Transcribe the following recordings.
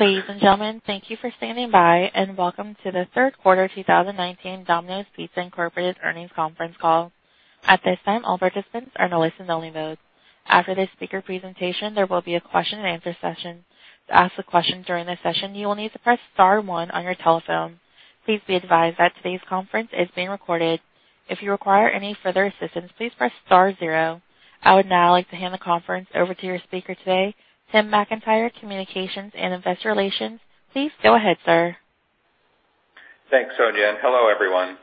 Ladies and gentlemen, thank you for standing by. Welcome to the third quarter 2019 Domino's Pizza, Inc. earnings conference call. At this time, all participants are in a listen only mode. After the speaker presentation, there will be a question and answer session. To ask a question during this session, you will need to press star one on your telephone. Please be advised that today's conference is being recorded. If you require any further assistance, please press star zero. I would now like to hand the conference over to your speaker today, Tim McIntyre, Communications and Investor Relations. Please go ahead, sir. Thanks, Sonia. Hello, everyone.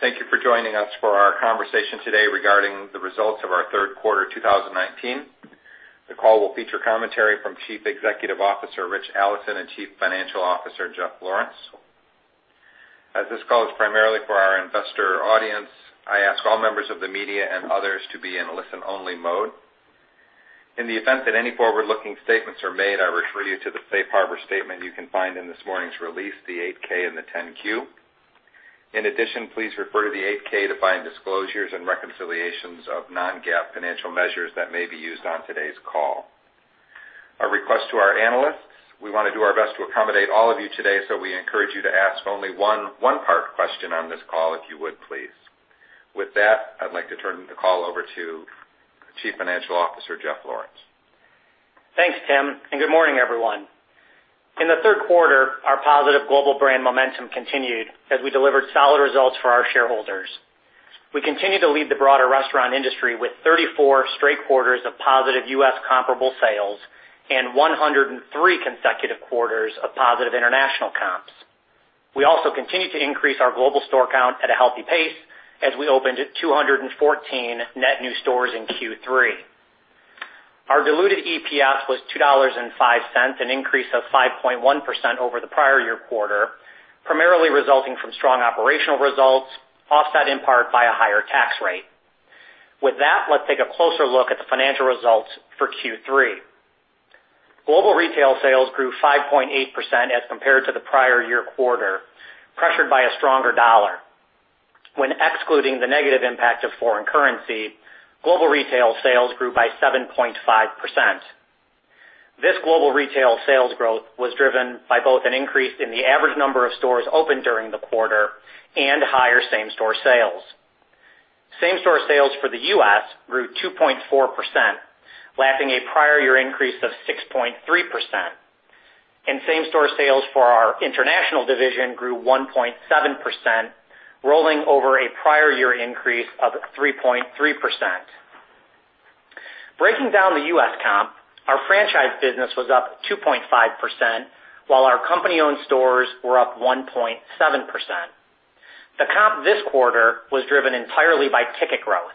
Thank you for joining us for our conversation today regarding the results of our third quarter 2019. The call will feature commentary from Chief Executive Officer, Ritch Allison, and Chief Financial Officer, Jeffrey Lawrence. As this call is primarily for our investor audience, I ask all members of the media and others to be in a listen-only mode. In the event that any forward-looking statements are made, I refer you to the safe harbor statement you can find in this morning's release, the 8-K and the 10-Q. In addition, please refer to the 8-K to find disclosures and reconciliations of non-GAAP financial measures that may be used on today's call. A request to our analysts. We want to do our best to accommodate all of you today. We encourage you to ask only one one-part question on this call if you would, please. With that, I'd like to turn the call over to Chief Financial Officer, Jeffrey Lawrence. Thanks, Tim. Good morning, everyone. In the third quarter, our positive global brand momentum continued as we delivered solid results for our shareholders. We continue to lead the broader restaurant industry with 34 straight quarters of positive U.S. comparable sales and 103 consecutive quarters of positive international comps. We also continue to increase our global store count at a healthy pace as we opened 214 net new stores in Q3. Our diluted EPS was $2.05, an increase of 5.1% over the prior year quarter, primarily resulting from strong operational results, offset in part by a higher tax rate. With that, let's take a closer look at the financial results for Q3. Global retail sales grew 5.8% as compared to the prior year quarter, pressured by a stronger dollar. When excluding the negative impact of foreign currency, global retail sales grew by 7.5%. This global retail sales growth was driven by both an increase in the average number of stores open during the quarter and higher same-store sales. Same-store sales for the U.S. grew 2.4%, lapping a prior year increase of 6.3%. Same-store sales for our international division grew 1.7%, rolling over a prior year increase of 3.3%. Breaking down the U.S. comp, our franchise business was up 2.5%, while our company-owned stores were up 1.7%. The comp this quarter was driven entirely by ticket growth.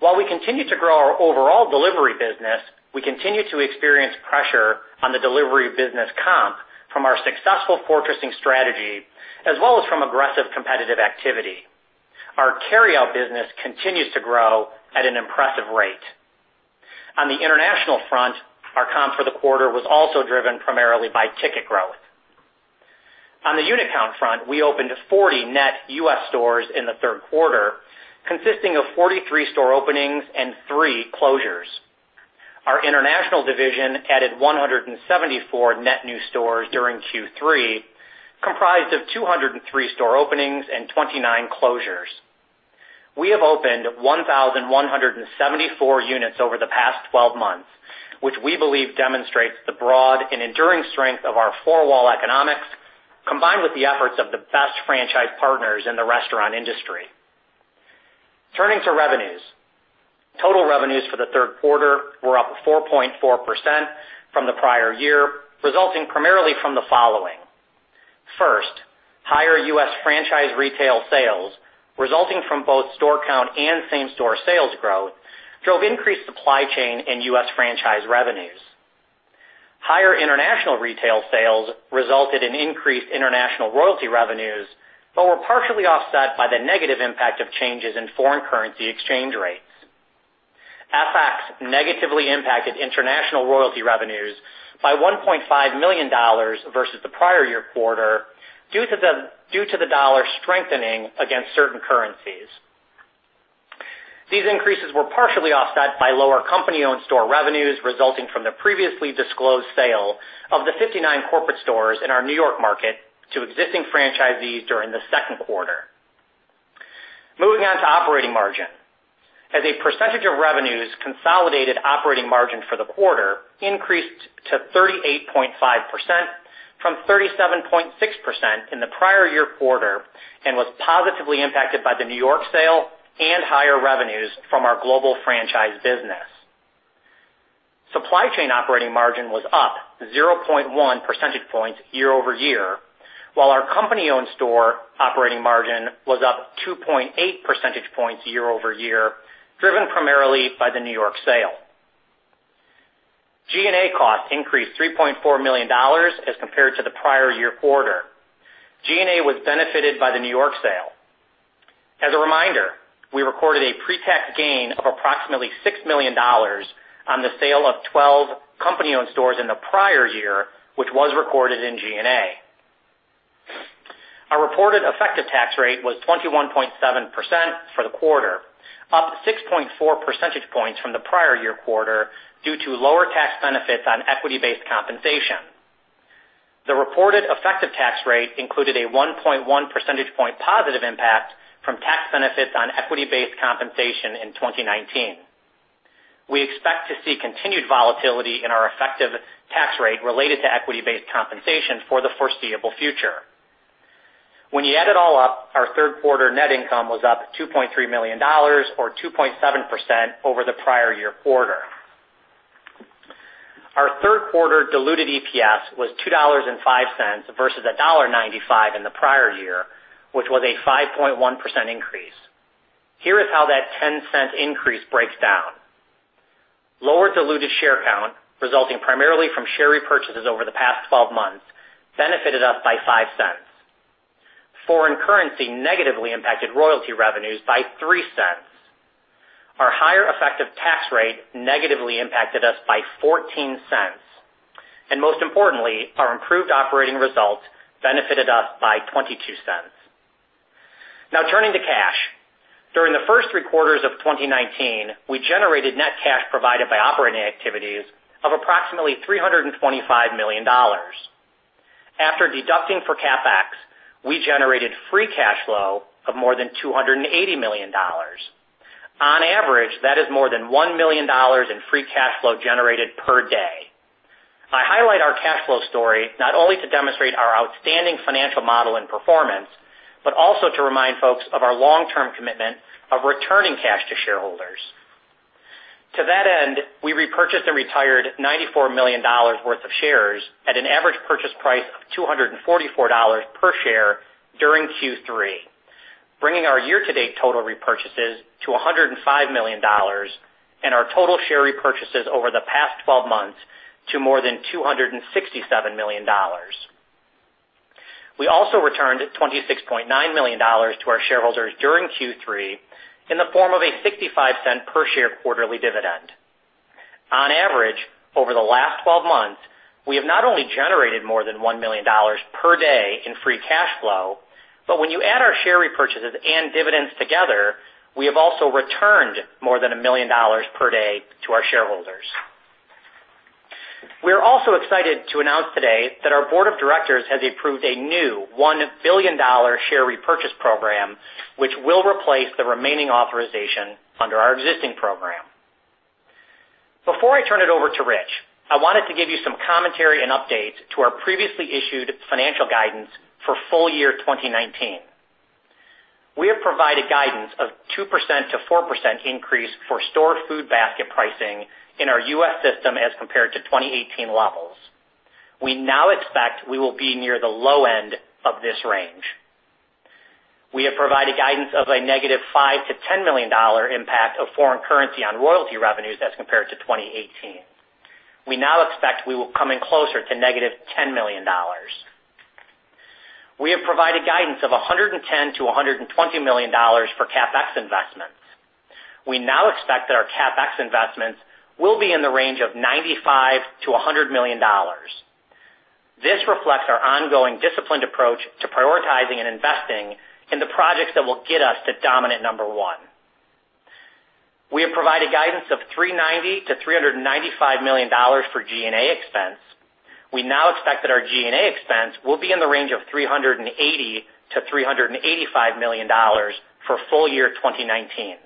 While we continue to grow our overall delivery business, we continue to experience pressure on the delivery business comp from our successful fortressing strategy, as well as from aggressive competitive activity. Our carryout business continues to grow at an impressive rate. On the international front, our comp for the quarter was also driven primarily by ticket growth. On the unit count front, we opened 40 net U.S. stores in the third quarter, consisting of 43 store openings and three closures. Our international division added 174 net new stores during Q3, comprised of 203 store openings and 29 closures. We have opened 1,174 units over the past 12 months, which we believe demonstrates the broad and enduring strength of our four-wall economics, combined with the efforts of the best franchise partners in the restaurant industry. Turning to revenues. Total revenues for the third quarter were up 4.4% from the prior year, resulting primarily from the following. First, higher U.S. franchise retail sales resulting from both store count and same-store sales growth drove increased supply chain and U.S. franchise revenues. Higher international retail sales resulted in increased international royalty revenues, were partially offset by the negative impact of changes in foreign currency exchange rates. FX negatively impacted international royalty revenues by $1.5 million versus the prior year quarter due to the dollar strengthening against certain currencies. These increases were partially offset by lower company-owned store revenues resulting from the previously disclosed sale of the 59 corporate stores in our N.Y. market to existing franchisees during the second quarter. Moving on to operating margin. As a percentage of revenues, consolidated operating margin for the quarter increased to 38.5% from 37.6% in the prior year quarter and was positively impacted by the N.Y. sale and higher revenues from our global franchise business. Supply chain operating margin was up 0.1 percentage points year-over-year, while our company-owned store operating margin was up 2.8 percentage points year-over-year, driven primarily by the N.Y. sale. G&A costs increased $3.4 million as compared to the prior year quarter. G&A was benefited by the New York sale. As a reminder, we recorded a pre-tax gain of approximately $6 million on the sale of 12 company-owned stores in the prior year, which was recorded in G&A. Our reported effective tax rate was 21.7% for the quarter, up 6.4 percentage points from the prior year quarter due to lower tax benefits on equity-based compensation. The reported effective tax rate included a 1.1 percentage point positive impact from tax benefits on equity-based compensation in 2019. We expect to see continued volatility in our effective tax rate related to equity-based compensation for the foreseeable future. When you add it all up, our third quarter net income was up $2.3 million, or 2.7% over the prior year quarter. Our third quarter diluted EPS was $2.05 versus $1.95 in the prior year, which was a 5.1% increase. Here is how that $0.10 increase breaks down. Lower diluted share count, resulting primarily from share repurchases over the past 12 months, benefited us by $0.05. Foreign currency negatively impacted royalty revenues by $0.03. Our higher effective tax rate negatively impacted us by $0.14, and most importantly, our improved operating results benefited us by $0.22. Now turning to cash. During the first 3 quarters of 2019, we generated net cash provided by operating activities of approximately $325 million. After deducting for CapEx, we generated free cash flow of more than $280 million. On average, that is more than $1 million in free cash flow generated per day. I highlight our cash flow story not only to demonstrate our outstanding financial model and performance, but also to remind folks of our long-term commitment of returning cash to shareholders. To that end, we repurchased and retired $94 million worth of shares at an average purchase price of $244 per share during Q3, bringing our year-to-date total repurchases to $105 million and our total share repurchases over the past 12 months to more than $267 million. We also returned $26.9 million to our shareholders during Q3 in the form of a $0.65 per share quarterly dividend. On average, over the last 12 months, we have not only generated more than $1 million per day in free cash flow, but when you add our share repurchases and dividends together, we have also returned more than $1 million per day to our shareholders. We are also excited to announce today that our board of directors has approved a new $1 billion share repurchase program, which will replace the remaining authorization under our existing program. Before I turn it over to Ritch, I wanted to give you some commentary and updates to our previously issued financial guidance for full year 2019. We have provided guidance of 2%-4% increase for store food basket pricing in our U.S. system as compared to 2018 levels. We now expect we will be near the low end of this range. We have provided guidance of a negative $5 million-$10 million impact of foreign currency on royalty revenues as compared to 2018. We now expect we will come in closer to negative $10 million. We have provided guidance of $110 million-$120 million for CapEx investments. We now expect that our CapEx investments will be in the range of $95 million-$100 million. This reflects our ongoing disciplined approach to prioritizing and investing in the projects that will get us to dominant number one. We have provided guidance of $390 million to $395 million for G&A expense. We now expect that our G&A expense will be in the range of $380 million to $385 million for full year 2019.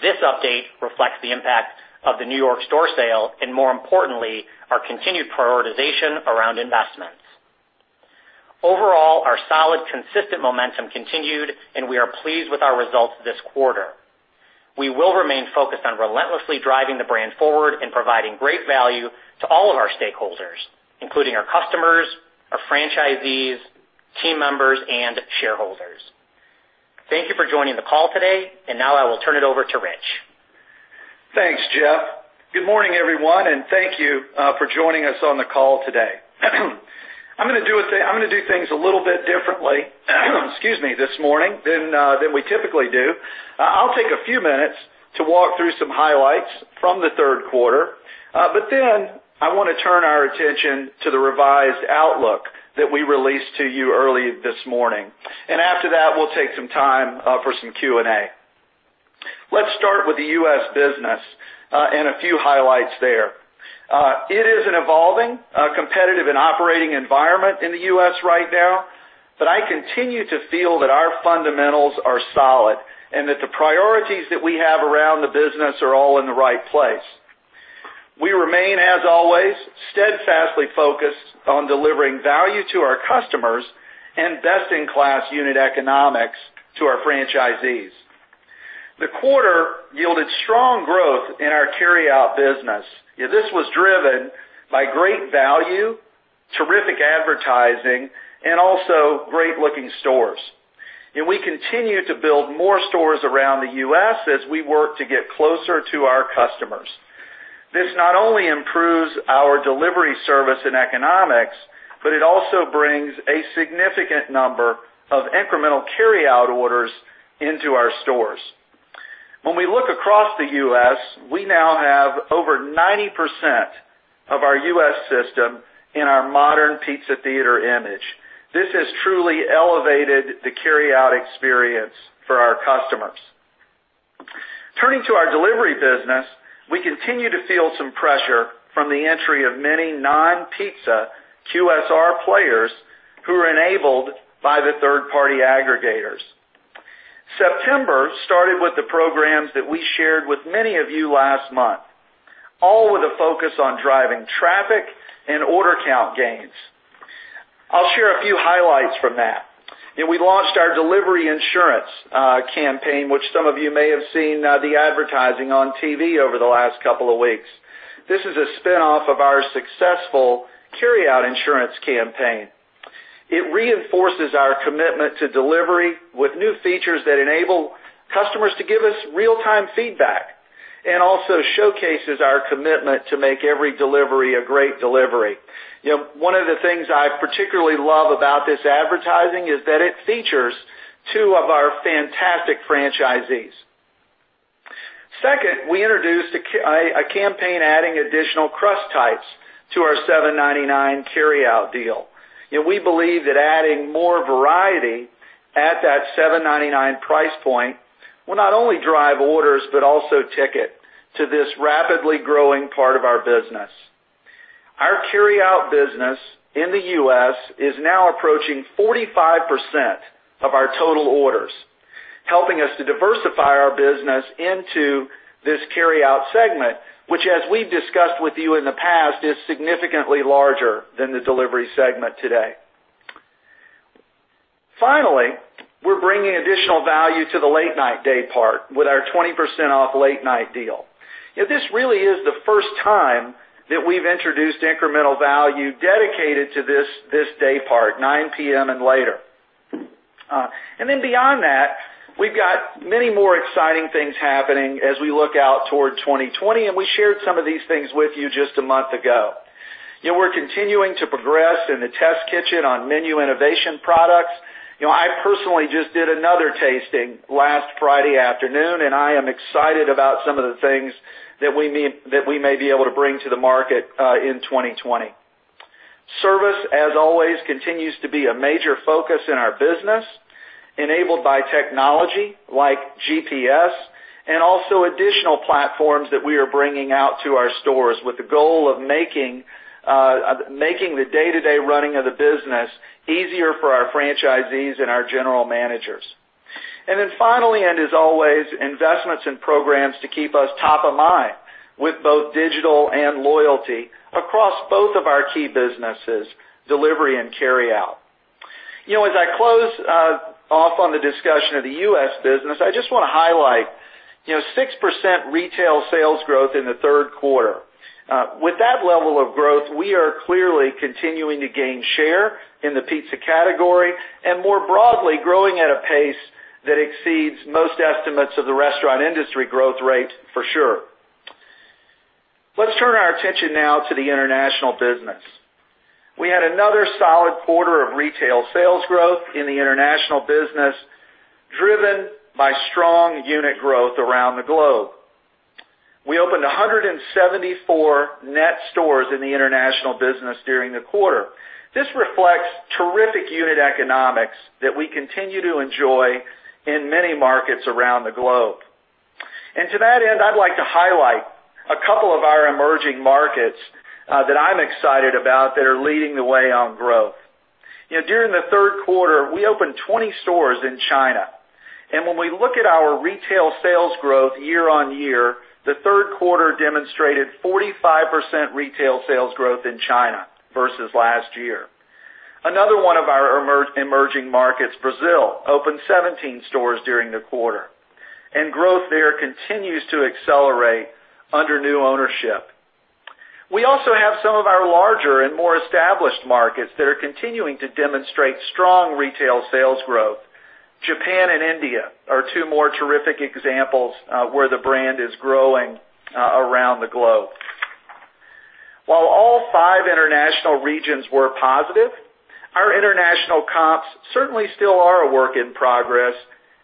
This update reflects the impact of the New York store sale and more importantly, our continued prioritization around investments. Overall, our solid, consistent momentum continued, and we are pleased with our results this quarter. We will remain focused on relentlessly driving the brand forward and providing great value to all of our stakeholders, including our customers, our franchisees, team members, and shareholders. Thank you for joining the call today. Now I will turn it over to Rich. Thanks, Jeff. Good morning, everyone. Thank you for joining us on the call today. I'm going to do things a little bit differently, excuse me, this morning than we typically do. I'll take a few minutes to walk through some highlights from the third quarter. I want to turn our attention to the revised outlook that we released to you early this morning. After that, we'll take some time for some Q&A. Let's start with the U.S. business, and a few highlights there. It is an evolving, competitive, and operating environment in the U.S. right now, but I continue to feel that our fundamentals are solid and that the priorities that we have around the business are all in the right place. We remain, as always, steadfastly focused on delivering value to our customers and best-in-class unit economics to our franchisees. The quarter yielded strong growth in our carryout business. This was driven by great value, terrific advertising, and also great-looking stores. We continue to build more stores around the U.S. as we work to get closer to our customers. This not only improves our delivery service and economics, but it also brings a significant number of incremental carryout orders into our stores. When we look across the U.S., we now have over 90% of our U.S. system in our modern pizza theater image. This has truly elevated the carryout experience for our customers. Turning to our delivery business, we continue to feel some pressure from the entry of many non-pizza QSR players who are enabled by the third-party aggregators. September started with the programs that we shared with many of you last month, all with a focus on driving traffic and order count gains. I'll share a few highlights from that. We launched our Delivery Insurance campaign, which some of you may have seen the advertising on TV over the last couple of weeks. This is a spin-off of our successful Carryout Insurance campaign. It reinforces our commitment to delivery with new features that enable customers to give us real-time feedback, and also showcases our commitment to make every delivery a great delivery. One of the things I particularly love about this advertising is that it features two of our fantastic franchisees. Second, we introduced a campaign adding additional crust types to our $7.99 carryout deal. We believe that adding more variety at that $7.99 price point will not only drive orders, but also ticket to this rapidly growing part of our business. Our carryout business in the U.S. is now approaching 45% of our total orders, helping us to diversify our business into this carryout segment, which, as we've discussed with you in the past, is significantly larger than the delivery segment today. We're bringing additional value to the late-night daypart with our 20% off late-night deal. This really is the first time that we've introduced incremental value dedicated to this daypart, 9:00 P.M. and later. Beyond that, we've got many more exciting things happening as we look out toward 2020, and we shared some of these things with you just a month ago. We're continuing to progress in the test kitchen on menu innovation products. I personally just did another tasting last Friday afternoon, and I am excited about some of the things that we may be able to bring to the market in 2020. Service, as always, continues to be a major focus in our business, enabled by technology like GPS and also additional platforms that we are bringing out to our stores with the goal of making the day-to-day running of the business easier for our franchisees and our general managers. Finally, and as always, investments in programs to keep us top of mind with both digital and loyalty across both of our key businesses, delivery and carryout. As I close off on the discussion of the U.S. business, I just want to highlight 6% retail sales growth in the third quarter. With that level of growth, we are clearly continuing to gain share in the pizza category and, more broadly, growing at a pace that exceeds most estimates of the restaurant industry growth rate for sure. Let's turn our attention now to the international business. We had another solid quarter of retail sales growth in the international business, driven by strong unit growth around the globe. We opened 174 net stores in the international business during the quarter. This reflects terrific unit economics that we continue to enjoy in many markets around the globe. To that end, I'd like to highlight a couple of our emerging markets that I'm excited about that are leading the way on growth. During the third quarter, we opened 20 stores in China, and when we look at our retail sales growth year-on-year, the third quarter demonstrated 45% retail sales growth in China versus last year. Another one of our emerging markets, Brazil, opened 17 stores during the quarter, and growth there continues to accelerate under new ownership. We also have some of our larger and more established markets that are continuing to demonstrate strong retail sales growth. Japan and India are two more terrific examples where the brand is growing around the globe. While all five international regions were positive, our international comps certainly still are a work in progress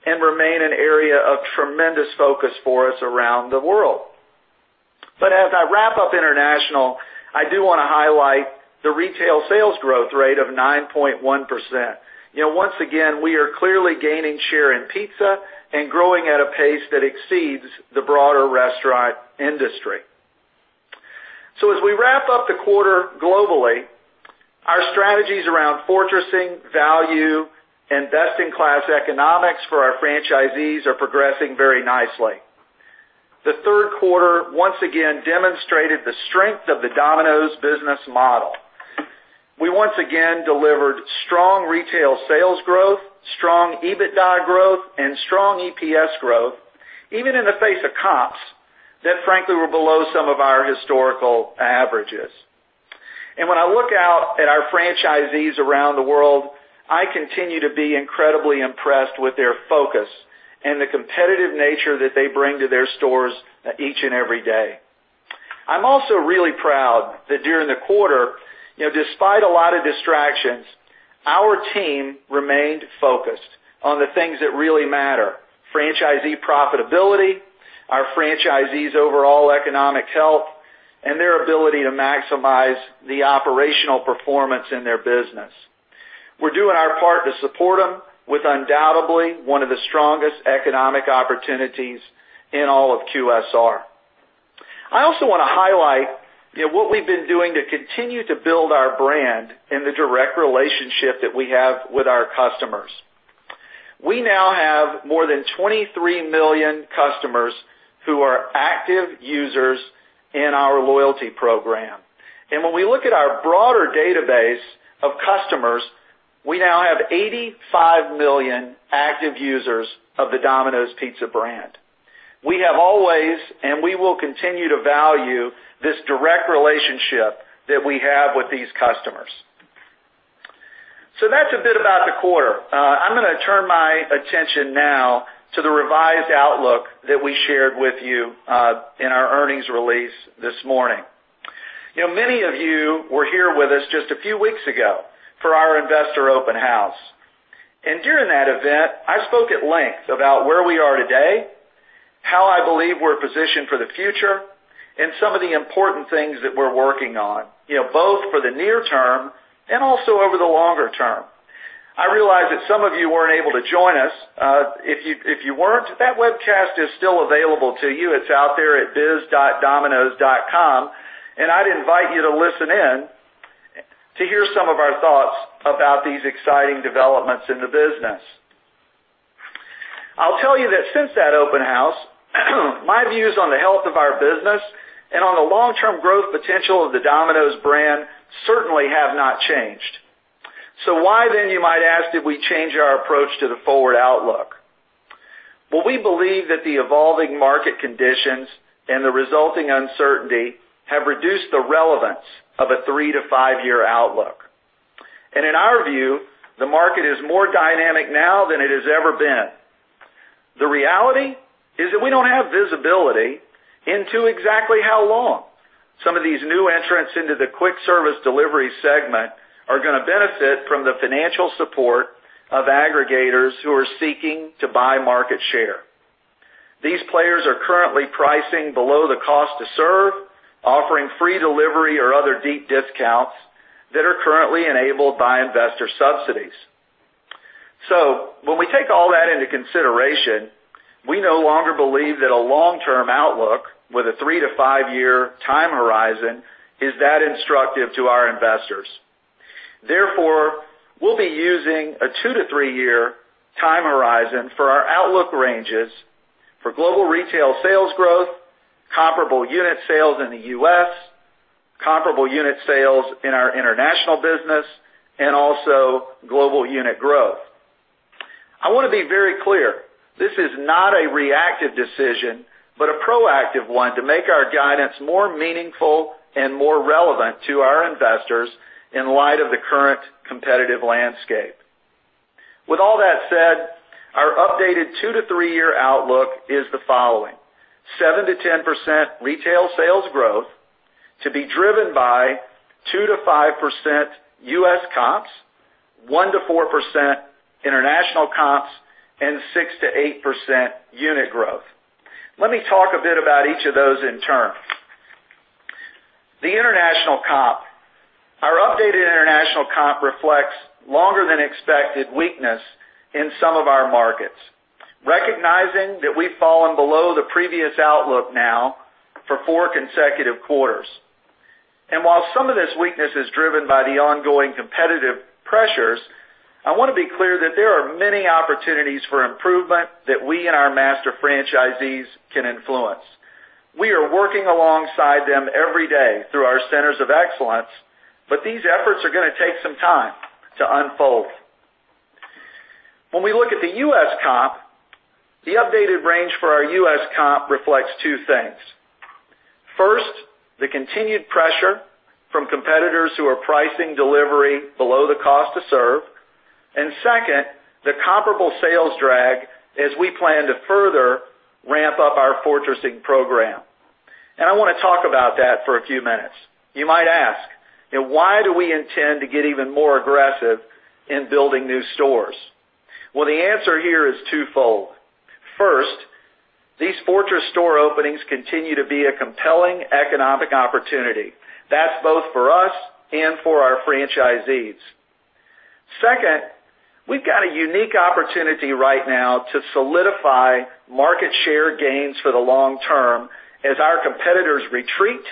and remain an area of tremendous focus for us around the world. As I wrap up international, I do want to highlight the retail sales growth rate of 9.1%. Once again, we are clearly gaining share in pizza and growing at a pace that exceeds the broader restaurant industry. As we wrap up the quarter globally, our strategies around fortressing, value, and best-in-class economics for our franchisees are progressing very nicely. The third quarter once again demonstrated the strength of the Domino's business model. We once again delivered strong retail sales growth, strong EBITDA growth, and strong EPS growth, even in the face of comps that frankly were below some of our historical averages. When I look out at our franchisees around the world, I continue to be incredibly impressed with their focus and the competitive nature that they bring to their stores each and every day. I'm also really proud that during the quarter, despite a lot of distractions, our team remained focused on the things that really matter: franchisee profitability, our franchisees' overall economic health, and their ability to maximize the operational performance in their business. We're doing our part to support them with undoubtedly one of the strongest economic opportunities in all of QSR. I also want to highlight what we've been doing to continue to build our brand and the direct relationship that we have with our customers. We now have more than 23 million customers who are active users in our loyalty program. When we look at our broader database of customers, we now have 85 million active users of the Domino's Pizza brand. We have always, and we will continue to value this direct relationship that we have with these customers. That's a bit about the quarter. I'm going to turn my attention now to the revised outlook that we shared with you in our earnings release this morning. Many of you were here with us just a few weeks ago for our investor open house. During that event, I spoke at length about where we are today, how I believe we're positioned for the future, and some of the important things that we're working on, both for the near term and also over the longer term. I realize that some of you weren't able to join us. If you weren't, that webcast is still available to you. It's out there at biz.dominos.com, and I'd invite you to listen in to hear some of our thoughts about these exciting developments in the business. I'll tell you that since that open house, my views on the health of our business and on the long-term growth potential of the Domino's brand certainly have not changed. Why then, you might ask, did we change our approach to the forward outlook? Well, we believe that the evolving market conditions and the resulting uncertainty have reduced the relevance of a three-to-five-year outlook. In our view, the market is more dynamic now than it has ever been. The reality is that we don't have visibility into exactly how long some of these new entrants into the quick service delivery segment are going to benefit from the financial support of aggregators who are seeking to buy market share. These players are currently pricing below the cost to serve, offering free delivery or other deep discounts that are currently enabled by investor subsidies. When we take all that into consideration, we no longer believe that a long-term outlook with a three-to-five-year time horizon is that instructive to our investors. Therefore, we'll be using a two-to-three-year time horizon for our outlook ranges for global retail sales growth, comparable unit sales in the U.S., comparable unit sales in our international business, and also global unit growth. I want to be very clear, this is not a reactive decision, but a proactive one to make our guidance more meaningful and more relevant to our investors in light of the current competitive landscape. With all that said, our updated two-to-three-year outlook is the following: 7%-10% retail sales growth to be driven by 2%-5% U.S. comps, 1%-4% international comps, and 6%-8% unit growth. Let me talk a bit about each of those in turn. The international comp. Our updated international comp reflects longer than expected weakness in some of our markets, recognizing that we've fallen below the previous outlook now for four consecutive quarters. While some of this weakness is driven by the ongoing competitive pressures, I want to be clear that there are many opportunities for improvement that we and our master franchisees can influence. We are working alongside them every day through our centers of excellence, but these efforts are going to take some time to unfold. When we look at the U.S. comp, the updated range for our U.S. comp reflects two things. First, the continued pressure from competitors who are pricing delivery below the cost to serve. Second, the comparable sales drag as we plan to further ramp up our fortressing program. I want to talk about that for a few minutes. You might ask, why do we intend to get even more aggressive in building new stores? Well, the answer here is twofold. First, these fortress store openings continue to be a compelling economic opportunity. That's both for us and for our franchisees. Second, we've got a unique opportunity right now to solidify market share gains for the long term as our competitors retreat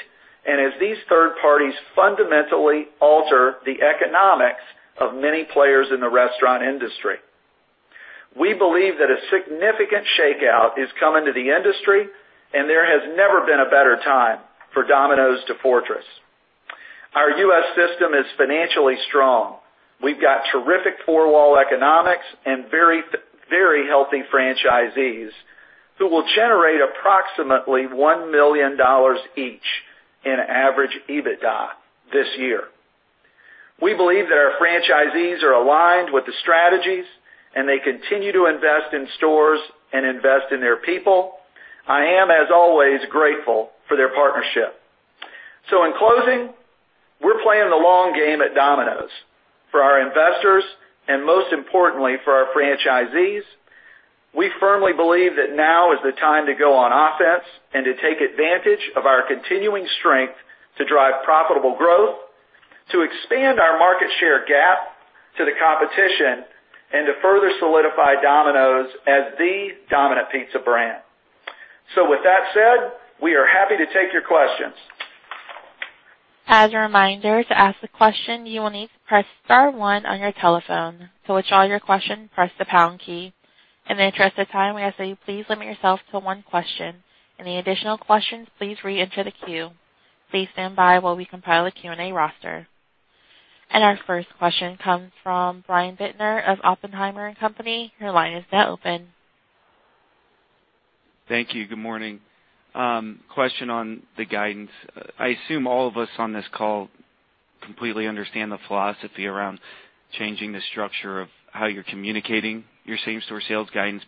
and as these third parties fundamentally alter the economics of many players in the restaurant industry. We believe that a significant shakeout is coming to the industry, and there has never been a better time for Domino's to fortress. Our U.S. system is financially strong. We've got terrific four-wall economics and very healthy franchisees who will generate approximately $1 million each in average EBITDA this year. They continue to invest in stores and invest in their people. I am, as always, grateful for their partnership. In closing, we're playing the long game at Domino's for our investors and, most importantly, for our franchisees. We firmly believe that now is the time to go on offense and to take advantage of our continuing strength to drive profitable growth, to expand our market share gap to the competition, and to further solidify Domino's as the dominant pizza brand. With that said, we are happy to take your questions. As a reminder, to ask the question, you will need to press star one on your telephone. To withdraw your question, press the pound key. In the interest of time, may I say, please limit yourself to one question. Any additional questions, please reenter the queue. Please stand by while we compile a Q&A roster. Our first question comes from Brian Bittner of Oppenheimer and Company. Your line is now open. Thank you. Good morning. Question on the guidance. I assume all of us on this call completely understand the philosophy around changing the structure of how you're communicating your same-store sales guidance.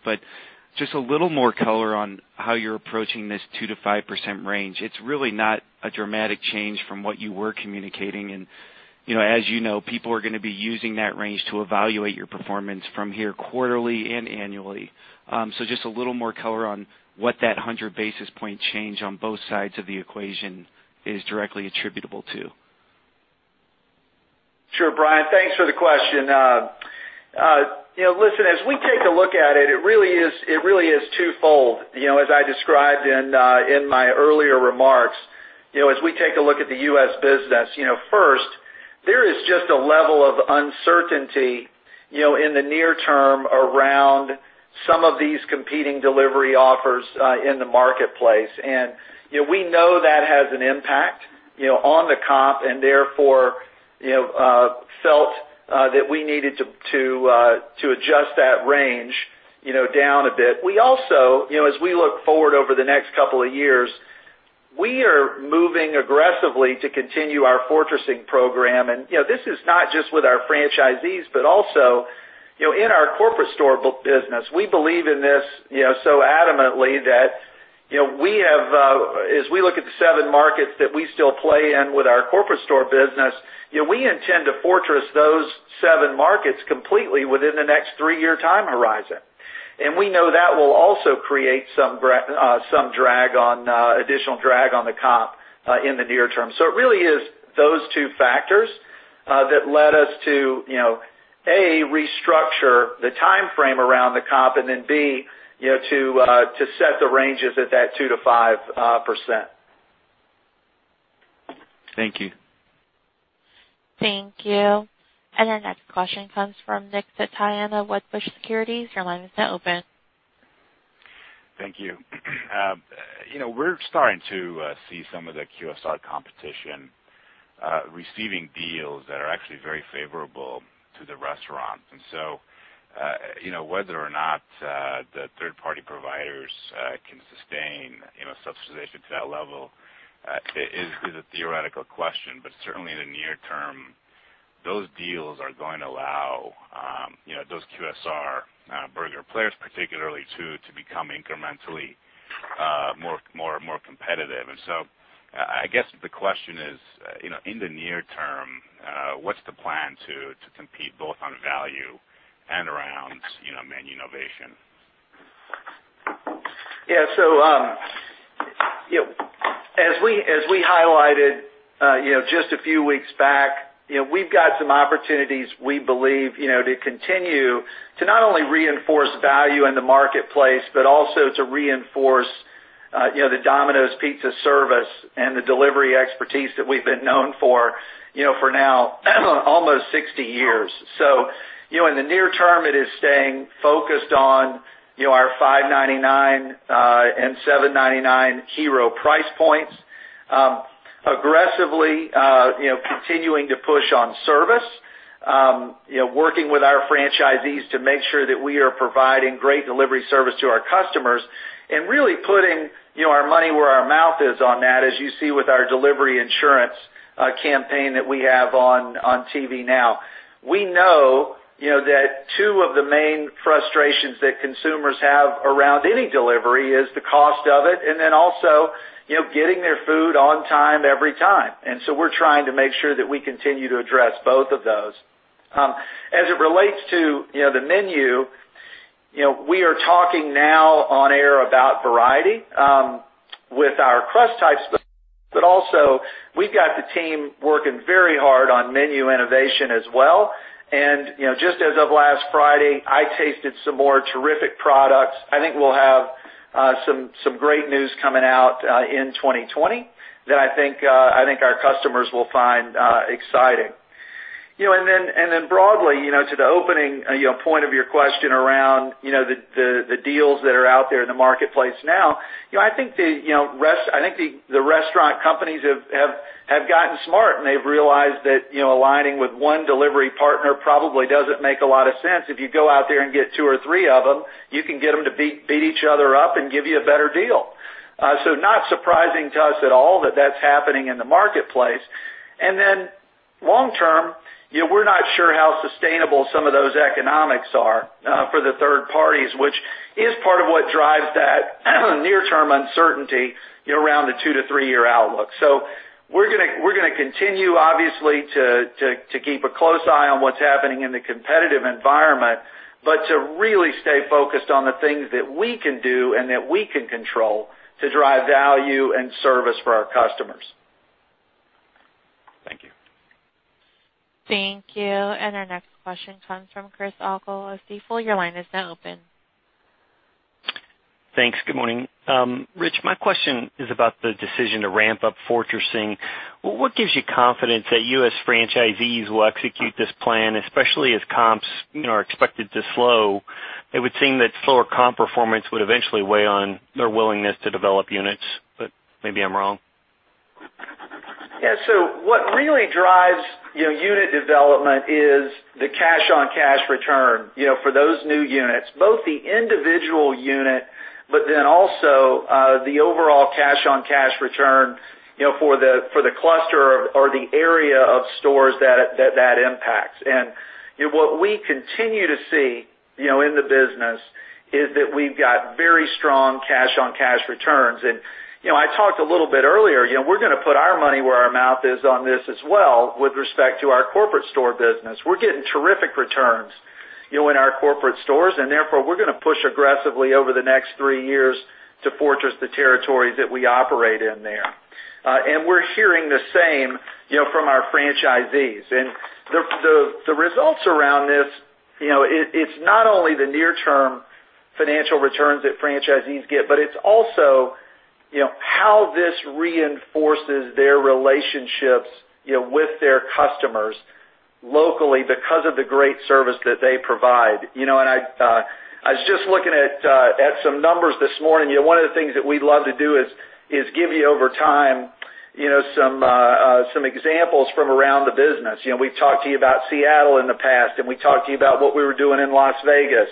Just a little more color on how you're approaching this 2%-5% range. It's really not a dramatic change from what you were communicating. As you know, people are going to be using that range to evaluate your performance from here quarterly and annually. Just a little more color on what that 100 basis point change on both sides of the equation is directly attributable to. Sure, Brian, thanks for the question. Listen, as we take a look at it really is twofold. As I described in my earlier remarks, as we take a look at the U.S. business, first, there is just a level of uncertainty in the near term around some of these competing delivery offers in the marketplace. We know that has an impact on the comp and therefore felt that we needed to adjust that range down a bit. As we look forward over the next couple of years, we are moving aggressively to continue our fortressing program. This is not just with our franchisees, but also in our corporate store business. We believe in this so adamantly that as we look at the seven markets that we still play in with our corporate store business, we intend to fortress those seven markets completely within the next three-year time horizon. We know that will also create some additional drag on the comp in the near term. It really is those two factors that led us to, A, restructure the timeframe around the comp, and then B, to set the ranges at that 2%-5%. Thank you. Thank you. Our next question comes from Nick Setyan, Wedbush Securities. Your line is now open. Thank you. We're starting to see some of the QSR competition receiving deals that are actually very favorable to the restaurant. Whether or not the third-party providers can sustain a subsidization to that level is a theoretical question. Certainly in the near term, those deals are going to allow those QSR burger players particularly, too, to become incrementally more competitive. I guess the question is, in the near term, what's the plan to compete both on value and around menu innovation? As we highlighted just a few weeks back, we've got some opportunities we believe to continue to not only reinforce value in the marketplace, but also to reinforce the Domino's Pizza service and the delivery expertise that we've been known for now almost 60 years. In the near term, it is staying focused on our $5.99 and $7.99 hero price points, aggressively continuing to push on service, working with our franchisees to make sure that we are providing great delivery service to our customers and really putting our money where our mouth is on that, as you see with our Delivery Insurance campaign that we have on TV now. We know that two of the main frustrations that consumers have around any delivery is the cost of it, and then also getting their food on time every time. We're trying to make sure that we continue to address both of those. As it relates to the menu, we are talking now on air about variety with our crust types but also we've got the team working very hard on menu innovation as well. Just as of last Friday, I tasted some more terrific products. I think we'll have some great news coming out in 2020 that I think our customers will find exciting. Broadly, to the opening point of your question around the deals that are out there in the marketplace now, I think the restaurant companies have gotten smart, and they've realized that aligning with one delivery partner probably doesn't make a lot of sense. If you go out there and get two or three of them, you can get them to beat each other up and give you a better deal. Not surprising to us at all that that's happening in the marketplace. Long term, we're not sure how sustainable some of those economics are for the third parties, which is part of what drives that near term uncertainty around the two to three-year outlook. We're going to continue obviously to keep a close eye on what's happening in the competitive environment, but to really stay focused on the things that we can do and that we can control to drive value and service for our customers. Thank you. Thank you. Our next question comes from Chris O'Cull of Stifel. Your line is now open. Thanks. Good morning. Ritch, my question is about the decision to ramp up fortressing. What gives you confidence that U.S. franchisees will execute this plan, especially as comps are expected to slow? It would seem that slower comp performance would eventually weigh on their willingness to develop units, but maybe I'm wrong. Yeah. What really drives unit development is the cash-on-cash return for those new units, both the individual unit but then also the overall cash-on-cash return for the cluster or the area of stores that that impacts. What we continue to see in the business is that we've got very strong cash-on-cash returns. I talked a little bit earlier, we're going to put our money where our mouth is on this as well with respect to our corporate store business. We're getting terrific returns in our corporate stores, and therefore, we're going to push aggressively over the next three years to fortress the territories that we operate in there. We're hearing the same from our franchisees. The results around this, it's not only the near-term financial returns that franchisees get, but it's also how this reinforces their relationships with their customers locally because of the great service that they provide. I was just looking at some numbers this morning. One of the things that we love to do is give you over time some examples from around the business. We've talked to you about Seattle in the past, and we talked to you about what we were doing in Las Vegas.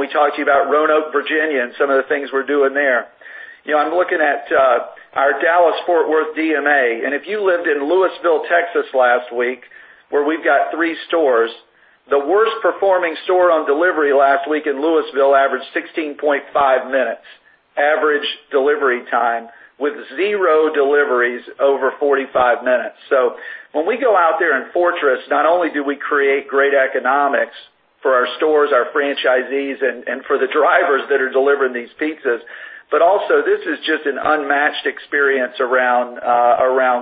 We talked to you about Roanoke, Virginia, and some of the things we're doing there. I'm looking at our Dallas-Fort Worth DMA. If you lived in Lewisville, Texas last week, where we've got three stores, the worst performing store on delivery last week in Lewisville averaged 16.5 minutes average delivery time with zero deliveries over 45 minutes. When we go out there and fortress, not only do we create great economics for our stores, our franchisees, and for the drivers that are delivering these pizzas, but also this is just an unmatched experience around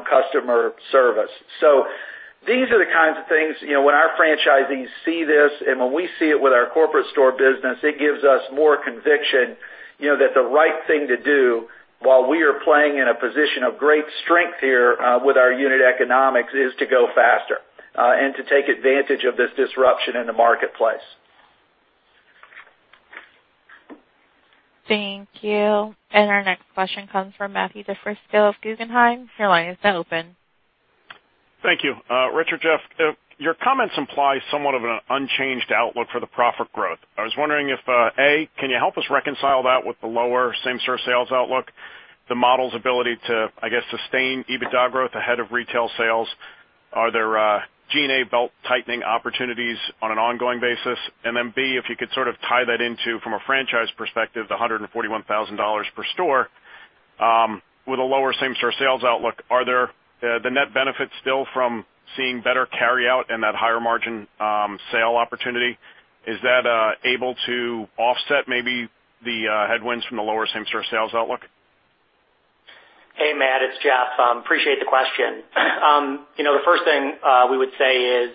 customer service. These are the kinds of things when our franchisees see this and when we see it with our corporate store business, it gives us more conviction that the right thing to do while we are playing in a position of great strength here with our unit economics is to go faster and to take advantage of this disruption in the marketplace. Thank you. Our next question comes from Matthew DiFrisco of Guggenheim. Your line is now open. Thank you. Richard, Jeff, your comments imply somewhat of an unchanged outlook for the profit growth. I was wondering if, A, can you help us reconcile that with the lower same-store sales outlook, the model's ability to, I guess, sustain EBITDA growth ahead of retail sales? Are there G&A belt-tightening opportunities on an ongoing basis? B, if you could sort of tie that into, from a franchise perspective, the $141,000 per store with a lower same-store sales outlook. Are there the net benefits still from seeing better carry-out and that higher margin sale opportunity? Is that able to offset maybe the headwinds from the lower same-store sales outlook? Hey, Matt, it's Jeff. Appreciate the question. The first thing we would say is,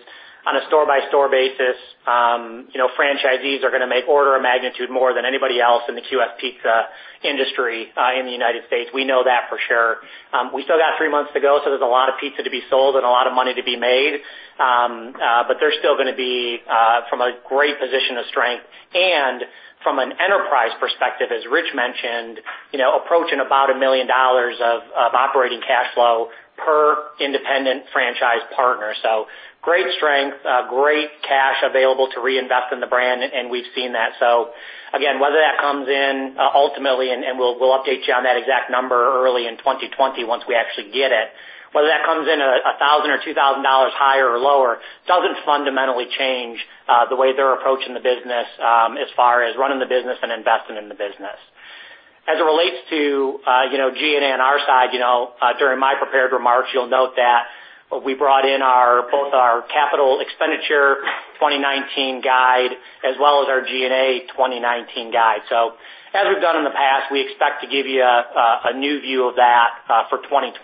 on a store-by-store basis, franchisees are going to make order of magnitude more than anybody else in the QSR pizza industry in the United States. We know that for sure. We still got three months to go, so there's a lot of pizza to be sold and a lot of money to be made. They're still going to be from a great position of strength and from an enterprise perspective, as Rich mentioned, approaching about $1 million of operating cash flow per independent franchise partner. Great strength, great cash available to reinvest in the brand, and we've seen that. Again, whether that comes in ultimately, and we'll update you on that exact number early in 2020 once we actually get it. Whether that comes in at $1,000 or $2,000 higher or lower, doesn't fundamentally change the way they're approaching the business as far as running the business and investing in the business. As it relates to G&A on our side, during my prepared remarks, you'll note that we brought in both our capital expenditure 2019 guide as well as our G&A 2019 guide. As we've done in the past, we expect to give you a new view of that for 2020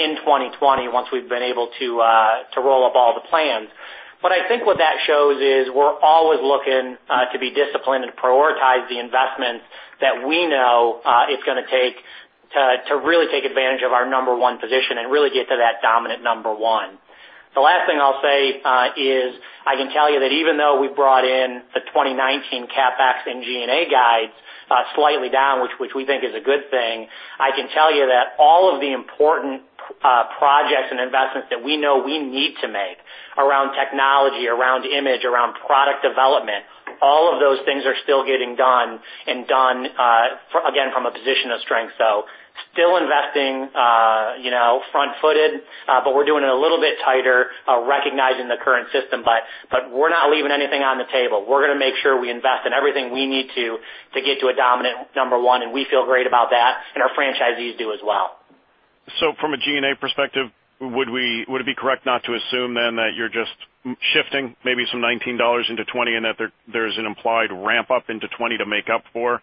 in 2020 once we've been able to roll up all the plans. I think what that shows is we're always looking to be disciplined and prioritize the investments that we know it's going to take to really take advantage of our number one position and really get to that dominant number one. The last thing I'll say is I can tell you that even though we brought in the 2019 CapEx and G&A guides slightly down, which we think is a good thing, I can tell you that all of the important projects and investments that we know we need to make around technology, around image, around product development. All of those things are still getting done and done, again, from a position of strength. Still investing front-footed, but we're doing it a little bit tighter, recognizing the current system. We're not leaving anything on the table. We're going to make sure we invest in everything we need to get to a dominant number one, and we feel great about that, and our franchisees do as well. From a G&A perspective, would it be correct not to assume then that you're just shifting maybe some 2019 into 2020 and that there's an implied ramp-up into 2020 to make up for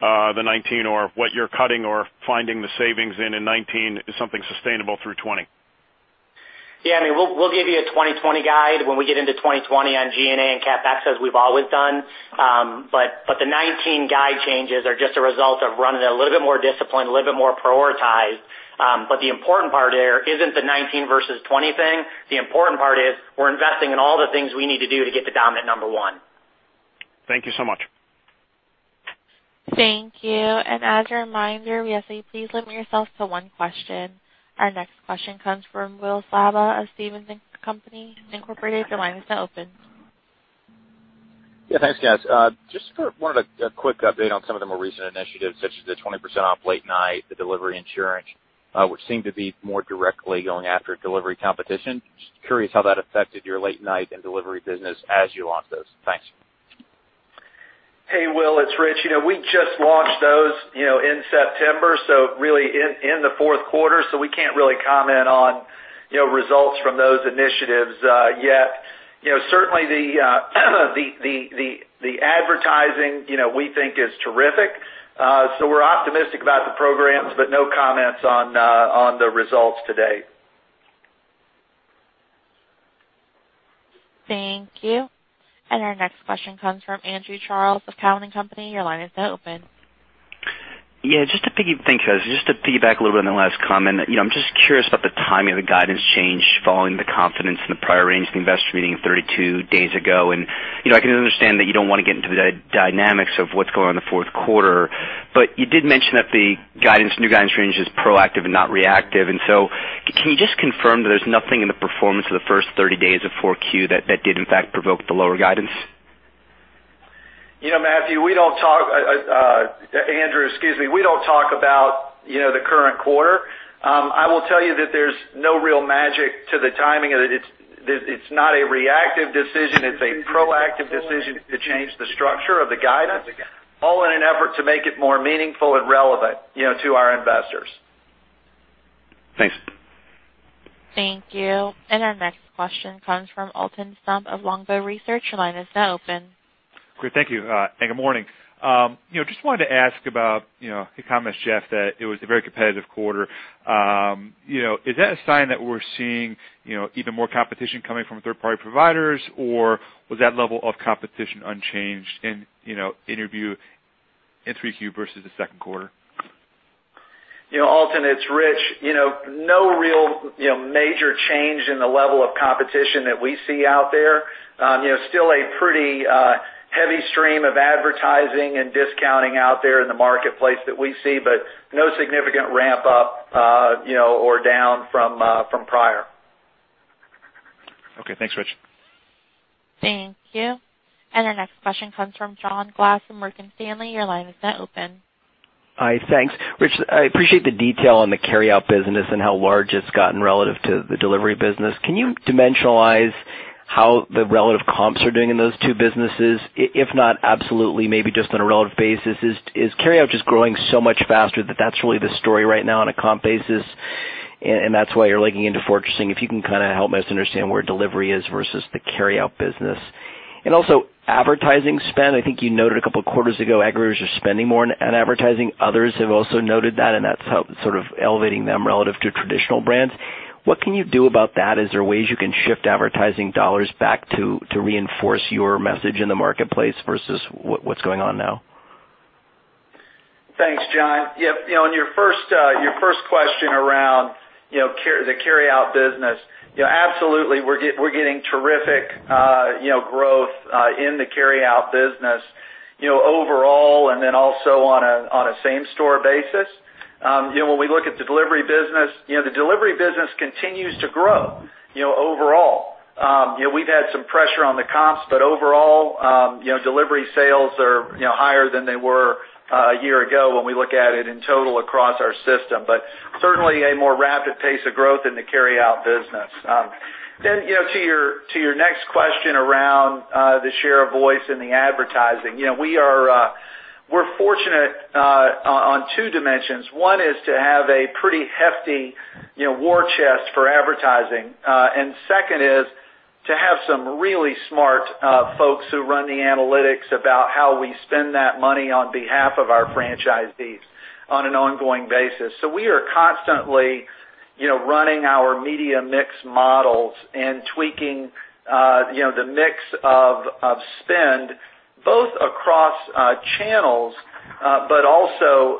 the 2019 or what you're cutting or finding the savings in 2019 is something sustainable through 2020? We'll give you a 2020 guide when we get into 2020 on G&A and CapEx as we've always done. The $19 guide changes are just a result of running it a little bit more disciplined, a little bit more prioritized. The important part there isn't the $19 versus $20 thing. The important part is we're investing in all the things we need to do to get to dominant number one. Thank you so much. Thank you. As a reminder, we ask that you please limit yourself to one question. Our next question comes from Will Slabaugh of Stephens Inc. Your line is now open. Yeah, thanks guys. Just wanted a quick update on some of the more recent initiatives such as the 20% off late night, the Delivery Insurance, which seem to be more directly going after delivery competition. Just curious how that affected your late night and delivery business as you launched those. Thanks. Hey, Will. It's Ritch. We just launched those in September, so really in the fourth quarter. We can't really comment on results from those initiatives yet. Certainly the advertising, we think is terrific. We're optimistic about the programs, but no comments on the results to date. Thank you. Our next question comes from Andrew Charles of Cowen and Company. Your line is now open. Yeah. Thanks, guys. Just to piggyback a little bit on the last comment. I'm just curious about the timing of the guidance change following the confidence in the prior range of the investor meeting 32 days ago. I can understand that you don't want to get into the dynamics of what's going on in the fourth quarter. You did mention that the new guidance range is proactive and not reactive. Can you just confirm that there's nothing in the performance of the first 30 days of 4Q that did in fact provoke the lower guidance? Andrew, we don't talk about the current quarter. I will tell you that there's no real magic to the timing of it. It's not a reactive decision, it's a proactive decision to change the structure of the guidance, all in an effort to make it more meaningful and relevant to our investors. Thanks. Thank you. Our next question comes from Alton Stump of Longbow Research. Your line is now open. Great. Thank you, good morning. Just wanted to ask about the comments, Jeff, that it was a very competitive quarter. Is that a sign that we're seeing even more competition coming from third-party providers, or was that level of competition unchanged in 3Q versus the second quarter? Alton, it's Ritch. No real major change in the level of competition that we see out there. Still a pretty heavy stream of advertising and discounting out there in the marketplace that we see, but no significant ramp up or down from prior. Okay, thanks, Rich. Thank you. Our next question comes from John Glass of Morgan Stanley. Your line is now open. Hi, thanks. Ritch, I appreciate the detail on the carryout business and how large it's gotten relative to the delivery business. Can you dimensionalize how the relative comps are doing in those two businesses? If not absolutely, maybe just on a relative basis. Is carryout just growing so much faster that that's really the story right now on a comp basis, and that's why you're leaning into fortressing? If you can kind of help us understand where delivery is versus the carryout business. Also advertising spend. I think you noted a couple of quarters ago, Aggregators are spending more on advertising. Others have also noted that's sort of elevating them relative to traditional brands. What can you do about that? Is there ways you can shift advertising dollars back to reinforce your message in the marketplace versus what's going on now? Thanks, John. Yep. On your first question around the carryout business. Absolutely, we're getting terrific growth in the carryout business overall, and then also on a same-store basis. When we look at the delivery business, the delivery business continues to grow overall. We've had some pressure on the comps, but overall delivery sales are higher than they were a year ago when we look at it in total across our system. Certainly a more rapid pace of growth in the carryout business. To your next question around the share of voice in the advertising. We're fortunate on two dimensions. One is to have a pretty hefty war chest for advertising. Second is to have some really smart folks who run the analytics about how we spend that money on behalf of our franchisees on an ongoing basis. We are constantly running our media mix models and tweaking the mix of spend, both across channels, but also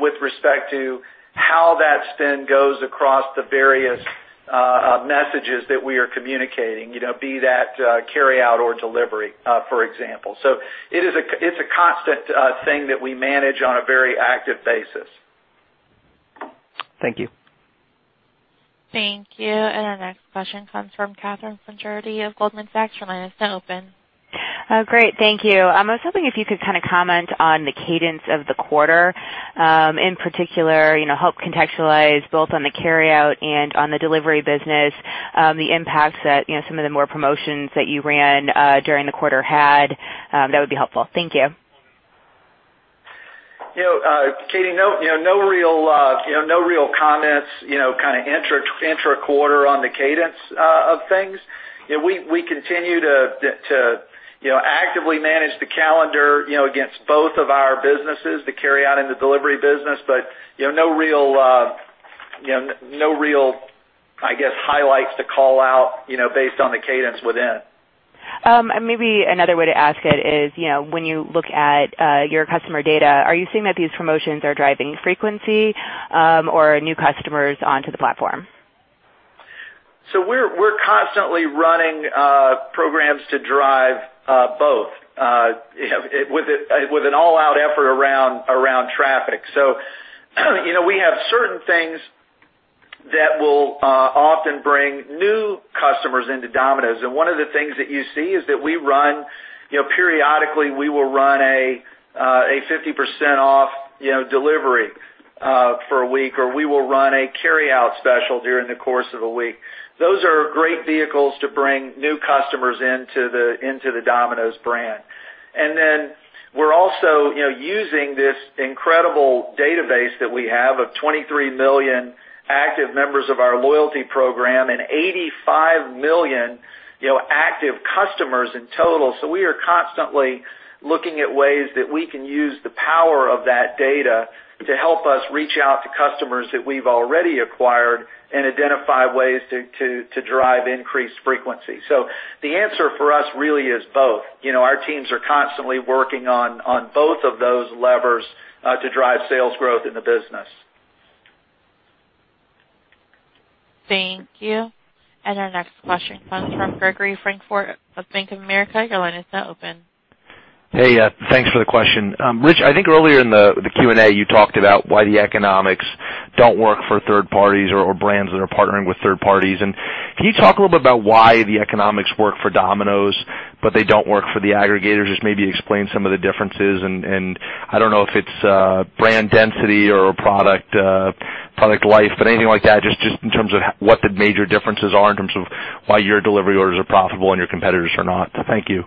with respect to how that spend goes across the various messages that we are communicating, be that carry out or delivery, for example. It's a constant thing that we manage on a very active basis. Thank you. Thank you. Our next question comes from Katherine Fogertey of Goldman Sachs. Your line is now open. Great. Thank you. I was hoping if you could kind of comment on the cadence of the quarter, in particular, help contextualize both on the carry-out and on the delivery business, the impacts that some of the more promotions that you ran during the quarter had. That would be helpful. Thank you. Katie, no real comments, kind of intra-quarter on the cadence of things. We continue to actively manage the calendar against both of our businesses, the carry-out and the delivery business. No real highlights to call out based on the cadence within. Maybe another way to ask it is, when you look at your customer data, are you seeing that these promotions are driving frequency or new customers onto the platform? We're constantly running programs to drive both, with an all-out effort around traffic. We have certain things that will often bring new customers into Domino's. One of the things that you see is that periodically we will run a 50% off delivery for a week, or we will run a carry-out special during the course of a week. Those are great vehicles to bring new customers into the Domino's brand. Then we're also using this incredible database that we have of 23 million active members of our loyalty program and 85 million active customers in total. We are constantly looking at ways that we can use the power of that data to help us reach out to customers that we've already acquired and identify ways to drive increased frequency. The answer for us really is both. Our teams are constantly working on both of those levers to drive sales growth in the business. Thank you. Our next question comes from Gregory Francfort of Bank of America. Your line is now open. Hey, thanks for the question. Ritch, I think earlier in the Q&A, you talked about why the economics don't work for third parties or brands that are partnering with third parties. Can you talk a little bit about why the economics work for Domino's, but they don't work for the aggregators? Just maybe explain some of the differences, and I don't know if it's brand density or product life, but anything like that, just in terms of what the major differences are in terms of why your delivery orders are profitable and your competitors are not. Thank you.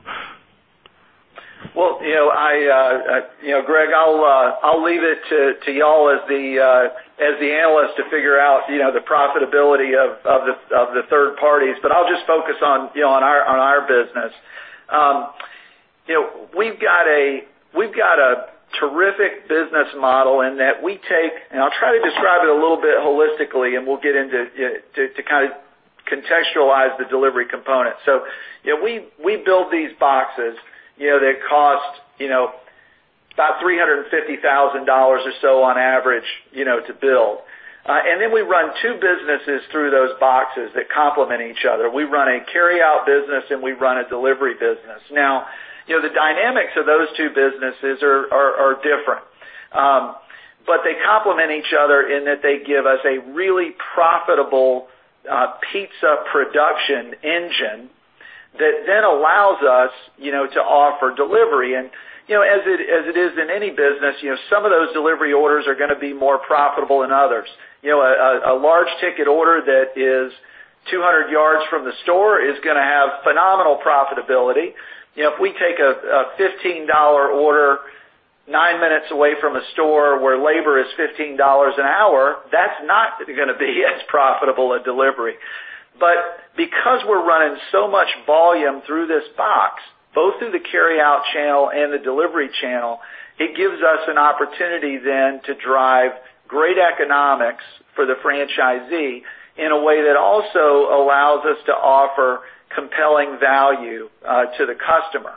Well, Greg, I'll leave it to you all as the analysts to figure out the profitability of the third parties. I'll just focus on our business. We've got a terrific business model in that I'll try to describe it a little bit holistically, and we'll get into to kind of contextualize the delivery component. We build these boxes that cost about $350,000 or so on average to build. We run two businesses through those boxes that complement each other. We run a carry-out business, and we run a delivery business. Now, the dynamics of those two businesses are different. They complement each other in that they give us a really profitable pizza production engine that then allows us to offer delivery. As it is in any business, some of those delivery orders are going to be more profitable than others. A large ticket order that is 200 yards from the store is going to have phenomenal profitability. If we take a $15 order nine minutes away from a store where labor is $15 an hour, that's not going to be as profitable a delivery. Because we're running so much volume through this box, both through the carry-out channel and the delivery channel, it gives us an opportunity then to drive great economics for the franchisee in a way that also allows us to offer compelling value to the customer.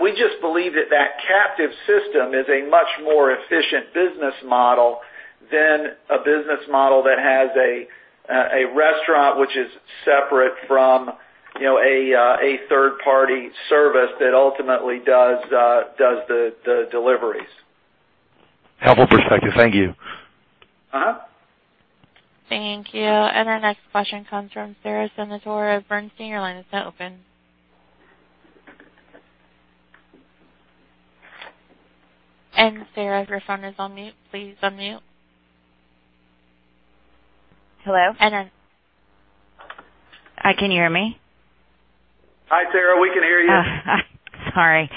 We just believe that captive system is a much more efficient business model than a business model that has a restaurant which is separate from a third-party service that ultimately does the deliveries. Helpful perspective. Thank you. Thank you. Our next question comes from Sara Senatore of Bernstein. Your line is now open. Sara, your phone is on mute. Please unmute. Hello? And- Hi, can you hear me? Hi, Sara, we can hear you. Sorry.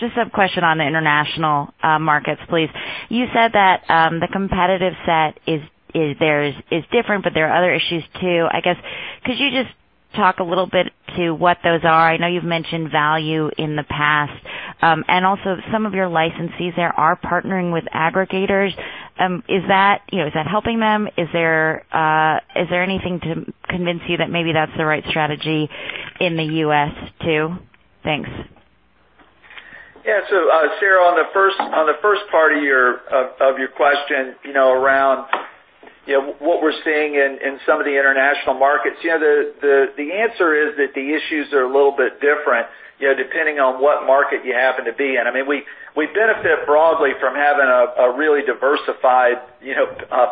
Just a question on the international markets, please. You said that the competitive set is different, but there are other issues too. I guess, could you just talk a little bit to what those are? I know you've mentioned value in the past. Some of your licensees there are partnering with aggregators. Is that helping them? Is there anything to convince you that maybe that's the right strategy in the U.S. too? Thanks. Yeah. Sara, on the first part of your question around what we're seeing in some of the international markets. The answer is that the issues are a little bit different depending on what market you happen to be in. We benefit broadly from having a really diversified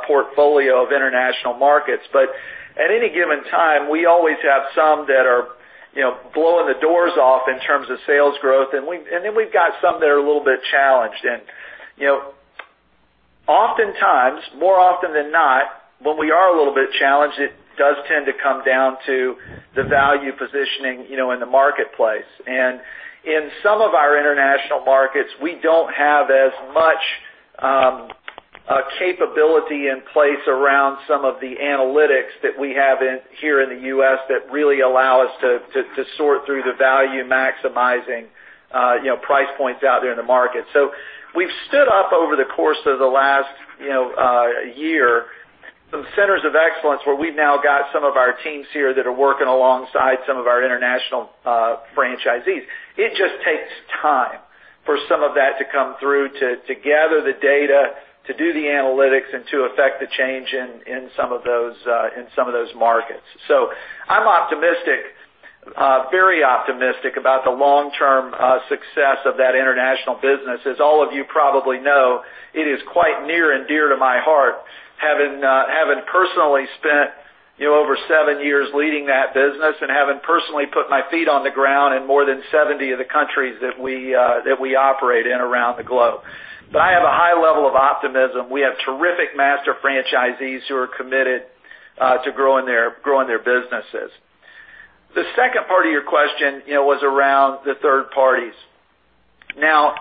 portfolio of international markets. At any given time, we always have some that are blowing the doors off in terms of sales growth, and then we've got some that are a little bit challenged. Oftentimes, more often than not, when we are a little bit challenged, it does tend to come down to the value positioning in the marketplace. In some of our international markets, we don't have as much capability in place around some of the analytics that we have here in the U.S. that really allow us to sort through the value maximizing price points out there in the market. We've stood up over the course of the last year, some centers of excellence where we've now got some of our teams here that are working alongside some of our international franchisees. It just takes time for some of that to come through, to gather the data, to do the analytics, and to affect the change in some of those markets. I'm very optimistic about the long-term success of that international business. As all of you probably know, it is quite near and dear to my heart, having personally spent over seven years leading that business and having personally put my feet on the ground in more than 70 of the countries that we operate in around the globe. I have a high level of optimism. We have terrific master franchisees who are committed to growing their businesses. The second part of your question was around the third parties. Now,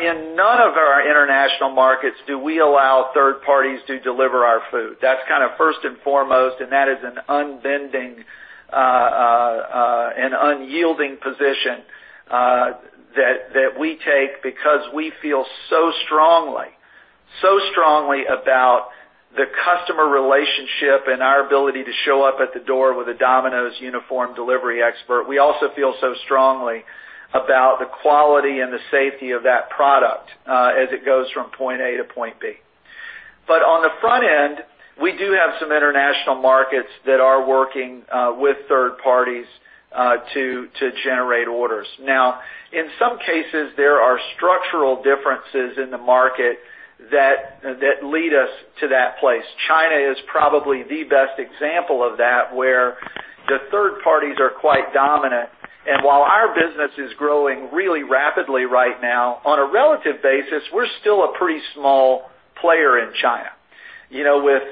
in none of our international markets do we allow third parties to deliver our food. That's kind of first and foremost, and that is an unbending and unyielding position that we take because we feel so strongly about the customer relationship and our ability to show up at the door with a Domino's uniform delivery expert. We also feel so strongly about the quality and the safety of that product as it goes from point A to point B. On the front end, we do have some international markets that are working with third parties to generate orders. In some cases, there are structural differences in the market that lead us to that place. China is probably the best example of that, where the third parties are quite dominant. While our business is growing really rapidly right now, on a relative basis, we're still a pretty small player in China. With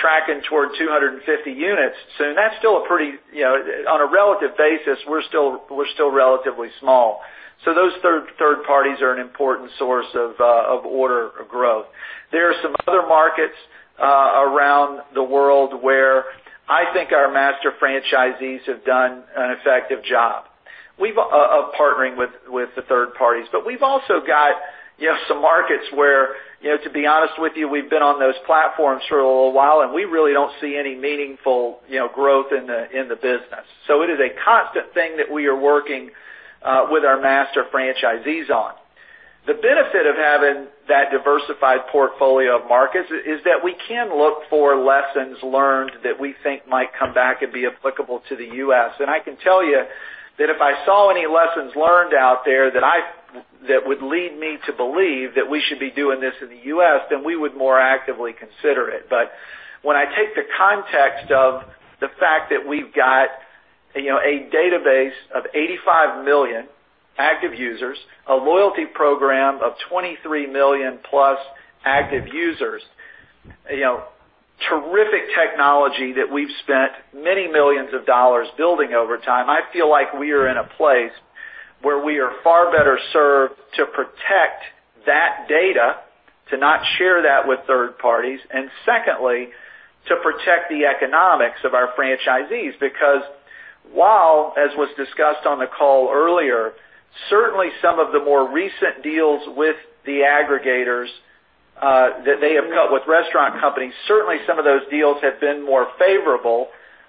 tracking towards 250 units soon, on a relative basis, we're still relatively small. Those third parties are an important source of order growth. There are some other markets around the world where I think our master franchisees have done an effective job of partnering with the third parties. We've also got some markets where, to be honest with you, we've been on those platforms for a little while, and we really don't see any meaningful growth in the business. It is a constant thing that we are working with our master franchisees on. The benefit of having that diversified portfolio of markets is that we can look for lessons learned that we think might come back and be applicable to the U.S. I can tell you that if I saw any lessons learned out there that would lead me to believe that we should be doing this in the U.S., then we would more actively consider it. When I take the context of the fact that we've got a database of 85 million active users, a loyalty program of 23 million-plus active users, terrific technology that we've spent many millions of dollars building over time, I feel like we are in a place where we are far better served to protect that data, to not share that with third parties, and secondly, to protect the economics of our franchisees. While, as was discussed on the call earlier, certainly some of the more recent deals with the aggregators that they have cut with restaurant companies, certainly some of those deals have been more favorable.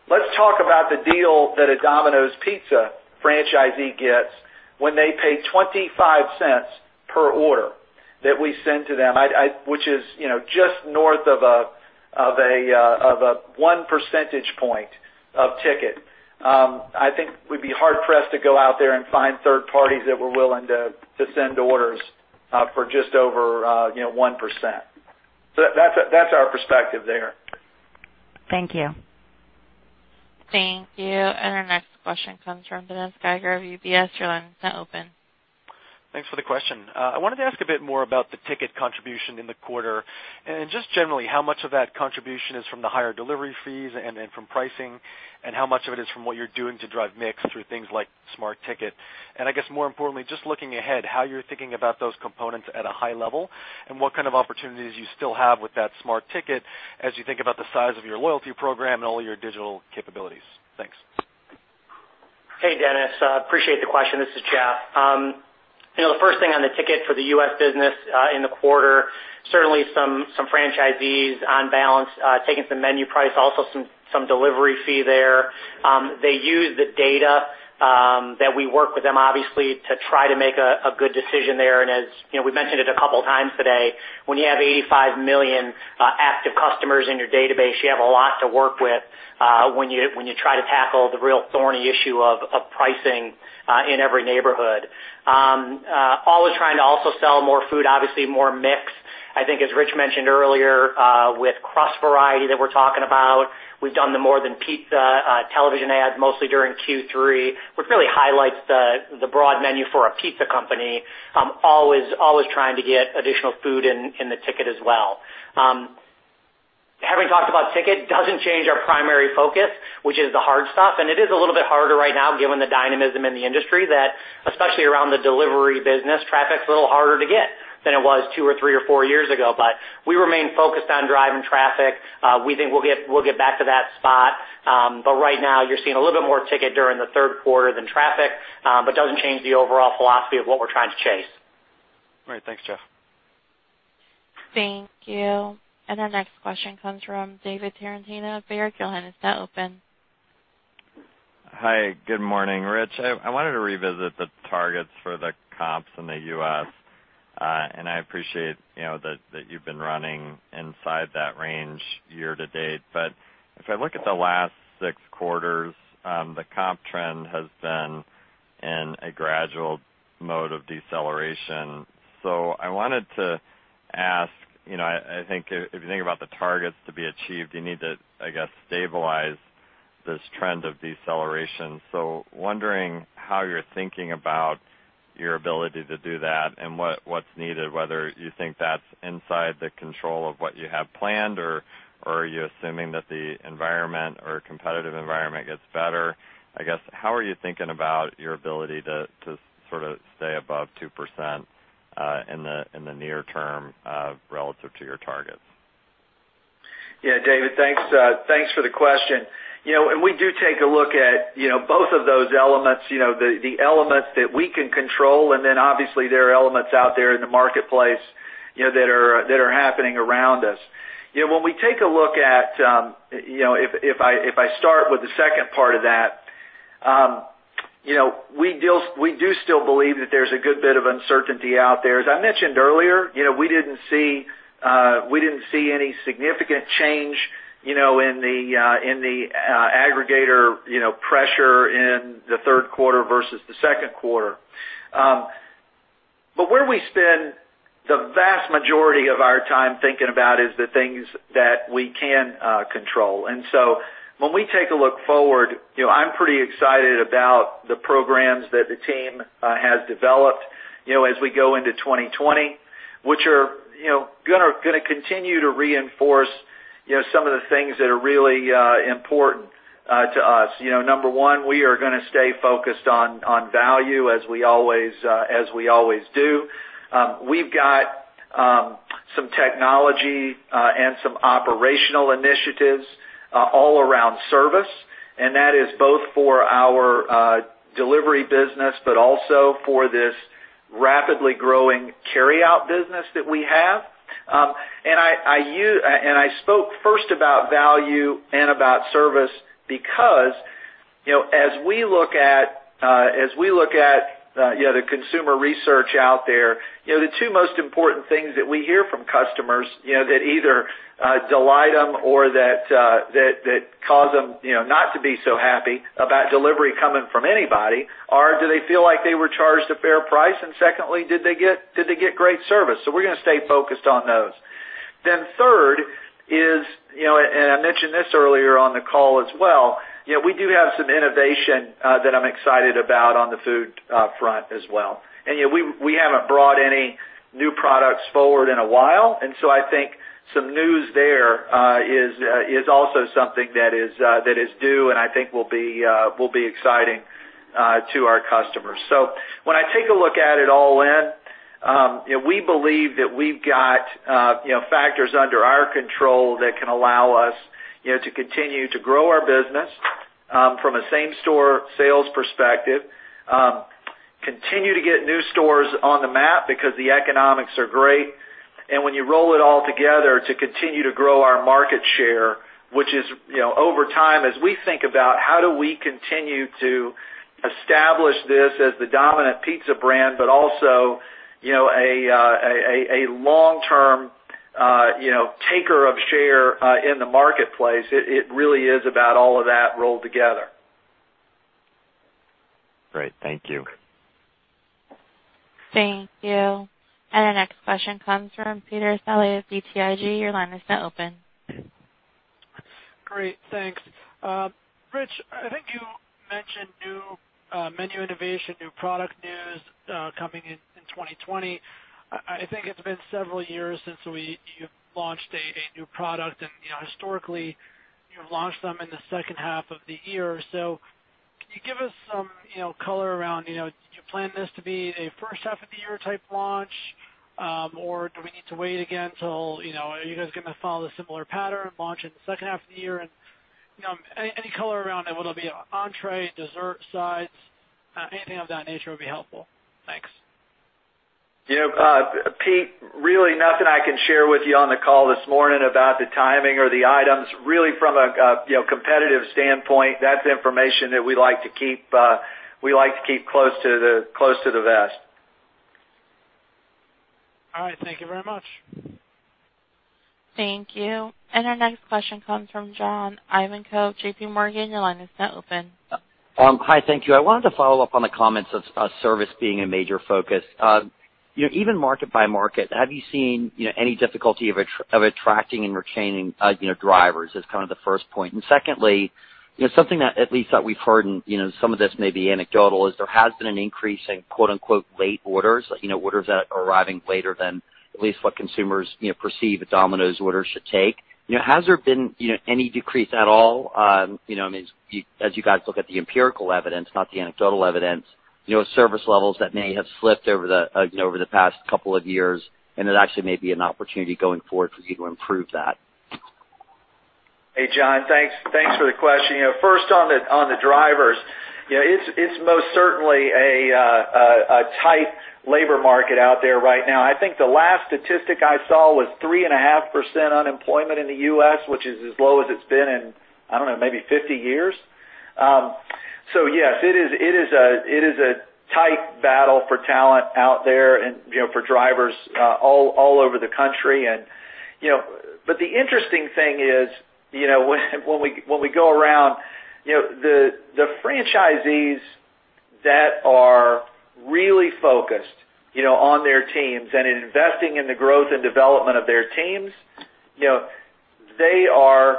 Let's talk about the deal that a Domino's Pizza franchisee gets when they pay $0.25 per order that we send to them, which is just north of a one percentage point of ticket. I think we'd be hard-pressed to go out there and find third parties that were willing to send orders for just over 1%. That's our perspective there. Thank you. Thank you. Our next question comes from Dennis Geiger of UBS. Your line is now open. Thanks for the question. I wanted to ask a bit more about the ticket contribution in the quarter, and just generally, how much of that contribution is from the higher delivery fees and then from pricing, and how much of it is from what you're doing to drive mix through things like Smart Slice. I guess more importantly, just looking ahead, how you're thinking about those components at a high level and what kind of opportunities you still have with that Smart Slice as you think about the size of your loyalty program and all your digital capabilities. Thanks. Hey, Dennis. Appreciate the question. This is Jeff. The first thing on the ticket for the U.S. business in the quarter, certainly some franchisees on balance, taking some menu price, also some delivery fee there. They use the data that we work with them, obviously, to try to make a good decision there. As we mentioned it a couple times today, when you have 85 million active customers in your database, you have a lot to work with when you try to tackle the real thorny issue of pricing in every neighborhood. Always trying to also sell more food, obviously more mix. I think, as Rich mentioned earlier, with crust variety that we're talking about. We've done the More Than Pizza television ads, mostly during Q3, which really highlights the broad menu for a pizza company. Always trying to get additional food in the ticket as well. Having talked about ticket doesn't change our primary focus, which is the hard stuff, and it is a little bit harder right now given the dynamism in the industry that, especially around the delivery business, traffic's a little harder to get than it was two or three or four years ago. We remain focused on driving traffic. We think we'll get back to that spot. Right now, you're seeing a little bit more ticket during the third quarter than traffic, but doesn't change the overall philosophy of what we're trying to chase. All right. Thanks, Jeff. Thank you. Our next question comes from David Tarantino of Baird. Is that open? Hi, good morning. Rich, I wanted to revisit the targets for the comps in the U.S. I appreciate that you've been running inside that range year to date. If I look at the last six quarters, the comp trend has been in a gradual mode of deceleration. I wanted to ask, I think if you think about the targets to be achieved, you need to, I guess, stabilize this trend of deceleration. Wondering how you're thinking about your ability to do that and what's needed, whether you think that's inside the control of what you have planned, or are you assuming that the environment or competitive environment gets better? I guess, how are you thinking about your ability to sort of stay above 2% in the near term, relative to your targets? David, thanks for the question. We do take a look at both of those elements, the elements that we can control, obviously there are elements out there in the marketplace that are happening around us. If I start with the second part of that, we do still believe that there's a good bit of uncertainty out there. As I mentioned earlier, we didn't see any significant change in the aggregator pressure in the third quarter versus the second quarter. Where we spend the vast majority of our time thinking about is the things that we can control. When we take a look forward, I'm pretty excited about the programs that the team has developed as we go into 2020, which are going to continue to reinforce some of the things that are really important to us. Number 1, we are going to stay focused on value as we always do. We've got some technology and some operational initiatives all around service, and that is both for our delivery business, but also for this rapidly growing carryout business that we have. I spoke first about value and about service because, as we look at the consumer research out there, the two most important things that we hear from customers that either delight them or that cause them not to be so happy about delivery coming from anybody are do they feel like they were charged a fair price, and secondly, did they get great service? We're going to stay focused on those. Third is, and I mentioned this earlier on the call as well, we do have some innovation that I'm excited about on the food front as well. We haven't brought any new products forward in a while, and so I think some news there is also something that is due, and I think will be exciting to our customers. When I take a look at it all in, we believe that we've got factors under our control that can allow us to continue to grow our business from a same-store sales perspective, continue to get new stores on the map because the economics are great. When you roll it all together to continue to grow our market share, which is over time as we think about how do we continue to establish this as the dominant pizza brand, but also a long-term taker of share in the marketplace. It really is about all of that rolled together. Great. Thank you. Thank you. Our next question comes from Peter Saleh of BTIG. Your line is now open. Great. Thanks. Ritch, I think you mentioned new menu innovation, new product news coming in 2020. I think it's been several years since you've launched a new product, and historically, you've launched them in the second half of the year. Can you give us some color around do you plan this to be a first half of the year type launch? Do we need to wait again are you guys going to follow the similar pattern, launch in the second half of the year? Any color around it, whether it be on entrée, dessert, sides, anything of that nature would be helpful. Thanks. Pete, really nothing I can share with you on the call this morning about the timing or the items. Really from a competitive standpoint, that's information that we like to keep close to the vest. All right. Thank you very much. Thank you. Our next question comes from John Ivankoe, J.P. Morgan. Your line is now open. Hi, thank you. I wanted to follow up on the comments of service being a major focus. Even market by market, have you seen any difficulty of attracting and retaining drivers? Is kind of the first point. Secondly, something that, at least that we've heard, and some of this may be anecdotal, is there has been an increase in quote unquote "late orders," orders that are arriving later than at least what consumers perceive a Domino's order should take. Has there been any decrease at all? I mean, as you guys look at the empirical evidence, not the anecdotal evidence, service levels that may have slipped over the past couple of years, and that actually may be an opportunity going forward for you to improve that. John. Thanks for the question. On the drivers. It's most certainly a tight labor market out there right now. I think the last statistic I saw was 3.5% unemployment in the U.S., which is as low as it's been in, I don't know, maybe 50 years. Yes, it is a tight battle for talent out there and for drivers all over the country. The interesting thing is, when we go around, the franchisees that are really focused on their teams and in investing in the growth and development of their teams, they are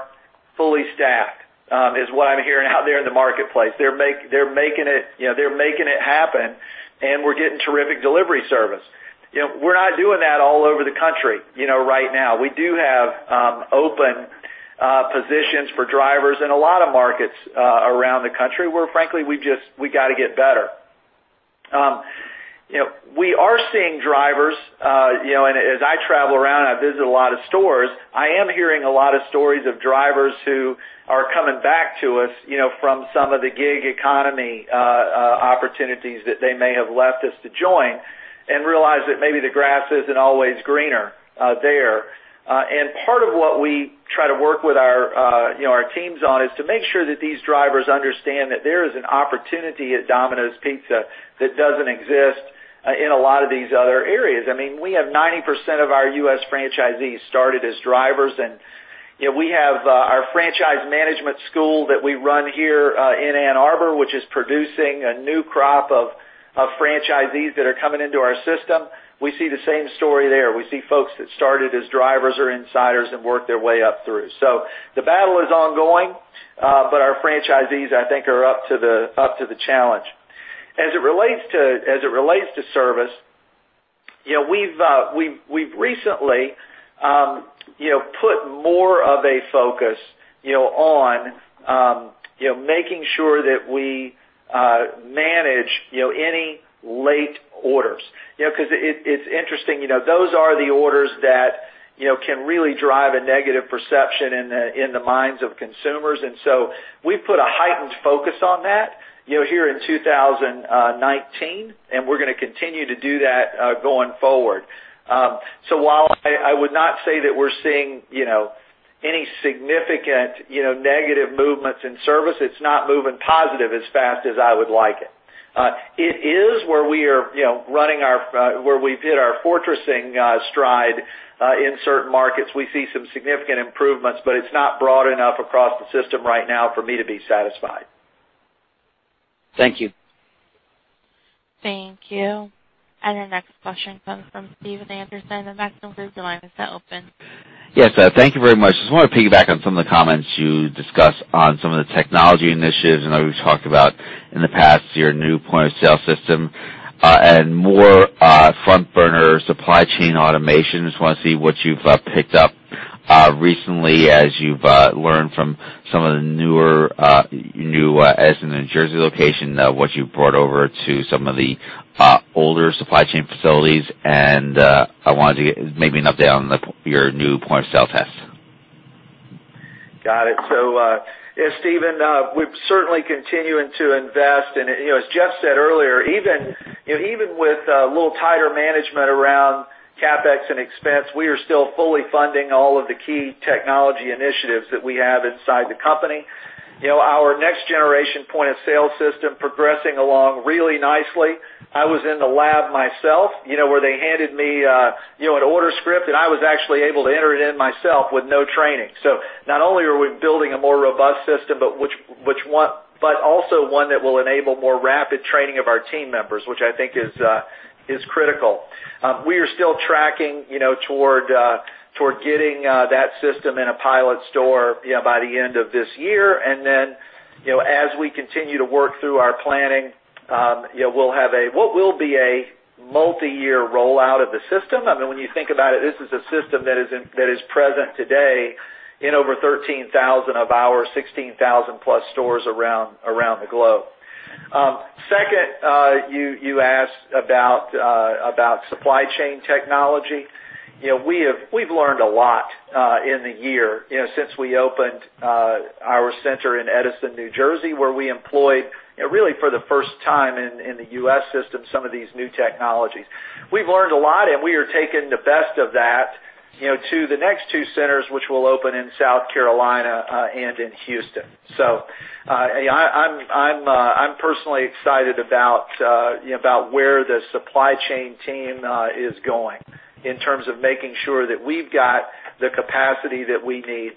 fully staffed, is what I'm hearing out there in the marketplace. They're making it happen, and we're getting terrific delivery service. We're not doing that all over the country right now. We do have open positions for drivers in a lot of markets around the country, where frankly, we got to get better. We are seeing drivers, and as I travel around and I visit a lot of stores, I am hearing a lot of stories of drivers who are coming back to us from some of the gig economy opportunities that they may have left us to join and realize that maybe the grass isn't always greener there. Part of what we try to work with our teams on is to make sure that these drivers understand that there is an opportunity at Domino's Pizza that doesn't exist in a lot of these other areas. We have 90% of our U.S. franchisees started as drivers, and we have our franchise management school that we run here in Ann Arbor, which is producing a new crop of franchisees that are coming into our system. We see the same story there. We see folks that started as drivers or insiders and worked their way up through. The battle is ongoing, but our franchisees, I think, are up to the challenge. As it relates to service, we've recently put more of a focus on making sure that we manage any late orders. It's interesting, those are the orders that can really drive a negative perception in the minds of consumers. We've put a heightened focus on that here in 2019, and we're going to continue to do that going forward. While I would not say that we're seeing any significant negative movements in service, it's not moving positive as fast as I would like it. It is where we did our fortressing stride in certain markets. We see some significant improvements, but it's not broad enough across the system right now for me to be satisfied. Thank you. Thank you. Our next question comes from Steven Anderson of Maxim Group. Your line is now open. Yes. Thank you very much. Just wanted to piggyback on some of the comments you discussed on some of the technology initiatives. I know we've talked about in the past, your new point of sale system, and more front burner supply chain automation. Just want to see what you've picked up recently as you've learned from some of the newer, as in the New Jersey location, what you've brought over to some of the older supply chain facilities. I wanted to get maybe an update on your new point of sale test. Got it. Steven, we're certainly continuing to invest. As Jeff said earlier, even with a little tighter management around CapEx and expense, we are still fully funding all of the key technology initiatives that we have inside the company. Our next generation point of sale system progressing along really nicely. I was in the lab myself, where they handed me an order script, and I was actually able to enter it in myself with no training. Not only are we building a more robust system, but also one that will enable more rapid training of our team members, which I think is critical. We are still tracking toward getting that system in a pilot store by the end of this year. Then, as we continue to work through our planning, we'll have what will be a multi-year rollout of the system. When you think about it, this is a system that is present today in over 13,000 of our 16,000 plus stores around the globe. Second, you asked about supply chain technology. We've learned a lot in the year since we opened our center in Edison, New Jersey, where we employed really for the first time in the U.S. system, some of these new technologies. We've learned a lot, and we are taking the best of that to the next two centers, which will open in South Carolina and in Houston. I'm personally excited about where the supply chain team is going in terms of making sure that we've got the capacity that we need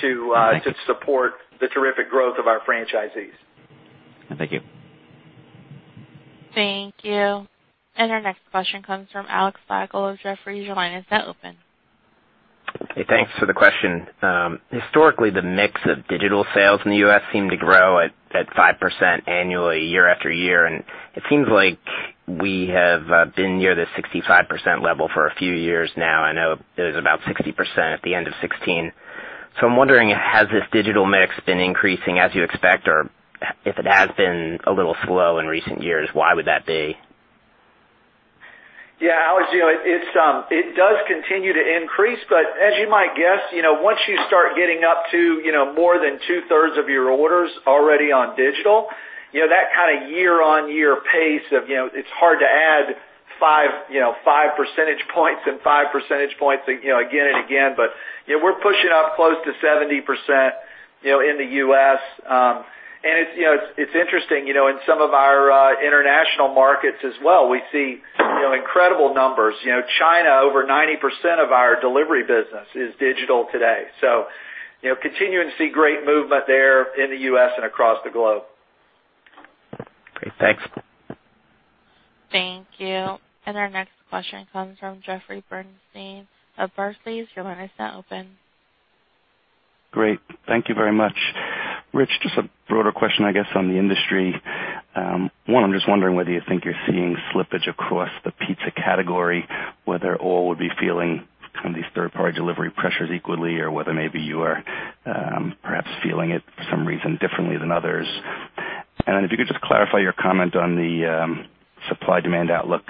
to. Thank you. support the terrific growth of our franchisees. Thank you. Thank you. Our next question comes from Alexander Slagle of Jefferies. Your line is now open. Hey, thanks for the question. Historically, the mix of digital sales in the U.S. seemed to grow at 5% annually year after year, and it seems like we have been near the 65% level for a few years now. I know it was about 60% at the end of 2016. I'm wondering, has this digital mix been increasing as you expect, or if it has been a little slow in recent years, why would that be? Yeah, Alex, it does continue to increase. As you might guess, once you start getting up to more than two-thirds of your orders already on digital, it's hard to add five percentage points and five percentage points again and again. We're pushing up close to 70% in the U.S. It's interesting, in some of our international markets as well, we see incredible numbers. China, over 90% of our delivery business is digital today. Continuing to see great movement there in the U.S. and across the globe. Great. Thanks. Thank you. Our next question comes from Jeffrey Bernstein of Barclays. Your line is now open. Great. Thank you very much. Rich, just a broader question, I guess, on the industry. I'm just wondering whether you think you're seeing slippage across the pizza category, whether all would be feeling kind of these third-party delivery pressures equally or whether maybe you are perhaps feeling it for some reason differently than others. If you could just clarify your comment on the supply-demand outlook.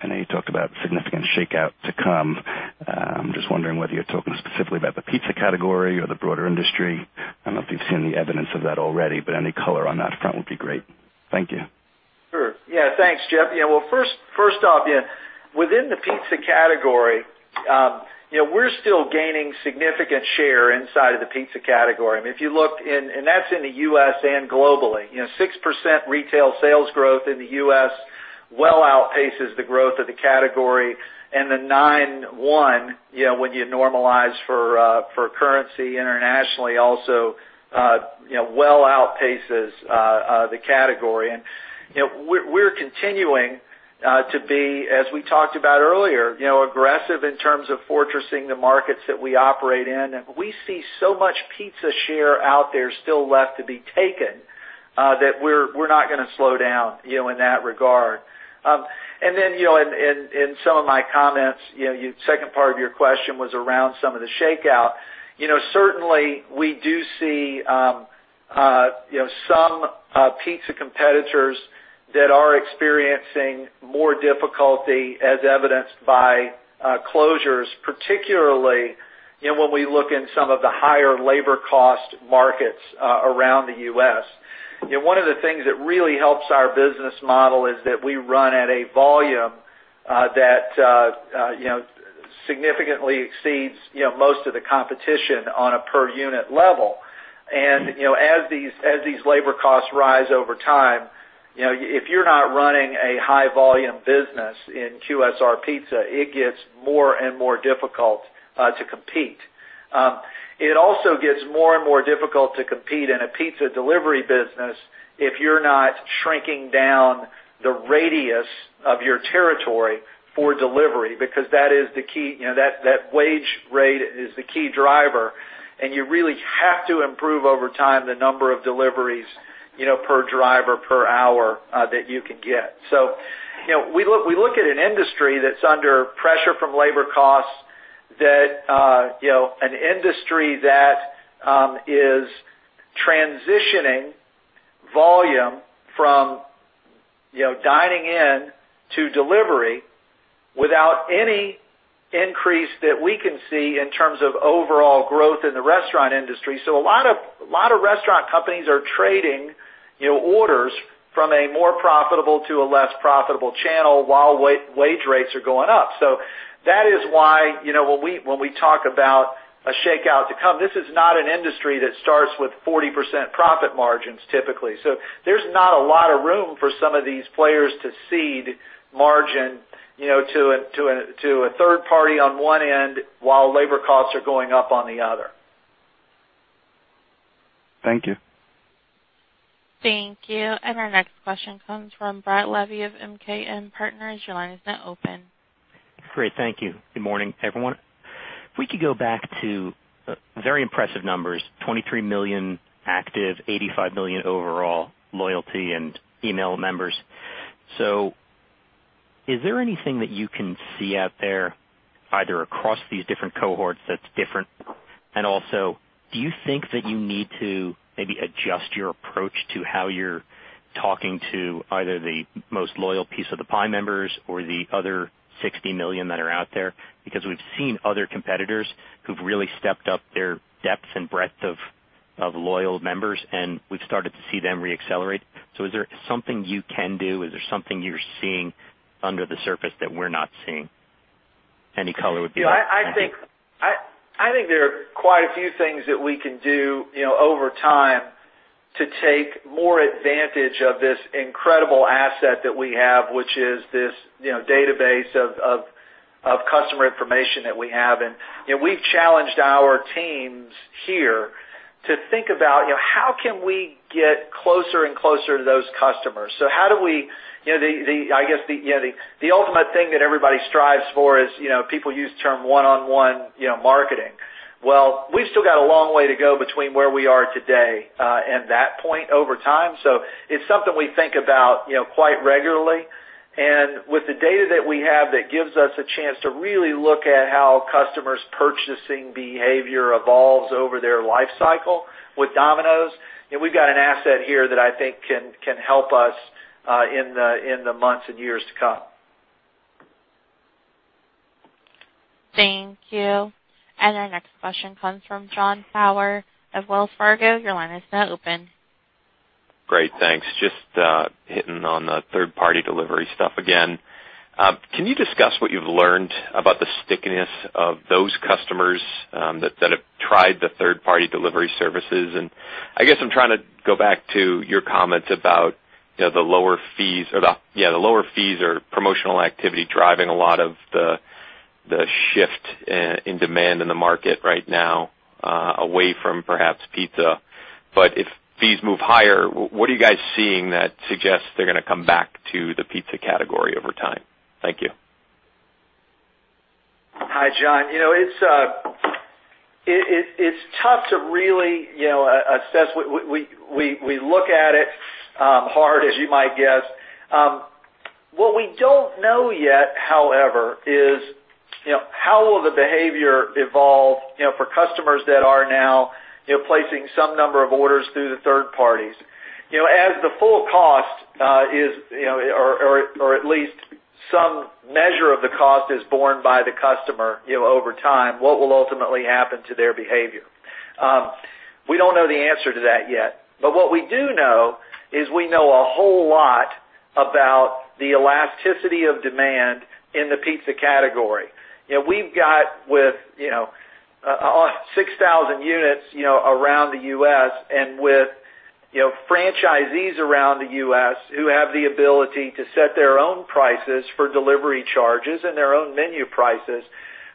I know you talked about significant shakeout to come. I'm just wondering whether you're talking specifically about the pizza category or the broader industry. I don't know if you've seen the evidence of that already, any color on that front would be great. Thank you. Sure. Yeah, thanks, Jeff. Well, first off, within the pizza category, we're still gaining significant share inside of the pizza category. That's in the U.S. and globally. 6% retail sales growth in the U.S. well outpaces the growth of the category. The 9.1%, when you normalize for currency internationally, also well outpaces the category. We're continuing to be, as we talked about earlier, aggressive in terms of fortressing the markets that we operate in. We see so much pizza share out there still left to be taken, that we're not going to slow down in that regard. In some of my comments, the second part of your question was around some of the shakeout. Certainly, we do see some pizza competitors that are experiencing more difficulty as evidenced by closures, particularly when we look in some of the higher labor cost markets around the U.S. One of the things that really helps our business model is that we run at a volume that significantly exceeds most of the competition on a per-unit level. As these labor costs rise over time, if you're not running a high-volume business in QSR Pizza, it gets more and more difficult to compete. It also gets more and more difficult to compete in a pizza delivery business if you're not shrinking down the radius of your territory for delivery, because that wage rate is the key driver, and you really have to improve over time the number of deliveries per driver per hour that you can get. We look at an industry that's under pressure from labor costs, an industry that is transitioning volume from dining in to delivery without any increase that we can see in terms of overall growth in the restaurant industry. A lot of restaurant companies are trading orders from a more profitable to a less profitable channel while wage rates are going up. That is why when we talk about a shakeout to come, this is not an industry that starts with 40% profit margins, typically. There's not a lot of room for some of these players to cede margin to a third party on one end while labor costs are going up on the other. Thank you. Thank you. Our next question comes from Brett Levy of MKM Partners. Your line is now open. Great. Thank you. Good morning, everyone. If we could go back to very impressive numbers, 23 million active, 85 million overall loyalty and email members. Is there anything that you can see out there, either across these different cohorts that's different? Also, do you think that you need to maybe adjust your approach to how you're talking to either the most loyal Piece of the Pie members or the other 60 million that are out there? We've seen other competitors who've really stepped up their depth and breadth of loyal members, and we've started to see them re-accelerate. Is there something you can do? Is there something you're seeing under the surface that we're not seeing? Yeah, I think there are quite a few things that we can do over time to take more advantage of this incredible asset that we have, which is this database of customer information that we have. We've challenged our teams here to think about how can we get closer and closer to those customers. I guess, the ultimate thing that everybody strives for is, people use the term one-on-one marketing. Well, we've still got a long way to go between where we are today and that point over time. It's something we think about quite regularly. With the data that we have, that gives us a chance to really look at how customers' purchasing behavior evolves over their life cycle with Domino's. We've got an asset here that I think can help us in the months and years to come. Thank you. Our next question comes from Jon Tower of Wells Fargo. Your line is now open. Great. Thanks. Just hitting on the third-party delivery stuff again. Can you discuss what you've learned about the stickiness of those customers that have tried the third-party delivery services? I guess I'm trying to go back to your comments about the lower fees or promotional activity driving a lot of the shift in demand in the market right now away from perhaps pizza. If fees move higher, what are you guys seeing that suggests they're going to come back to the pizza category over time? Thank you. Hi, John. It's tough to really assess. We look at it hard, as you might guess. What we don't know yet, however, is how will the behavior evolve for customers that are now placing some number of orders through the third parties. As the full cost or at least some measure of the cost is borne by the customer over time, what will ultimately happen to their behavior? We don't know the answer to that yet. What we do know is we know a whole lot about the elasticity of demand in the pizza category. We've got with 6,000 units around the U.S. and with franchisees around the U.S. who have the ability to set their own prices for delivery charges and their own menu prices.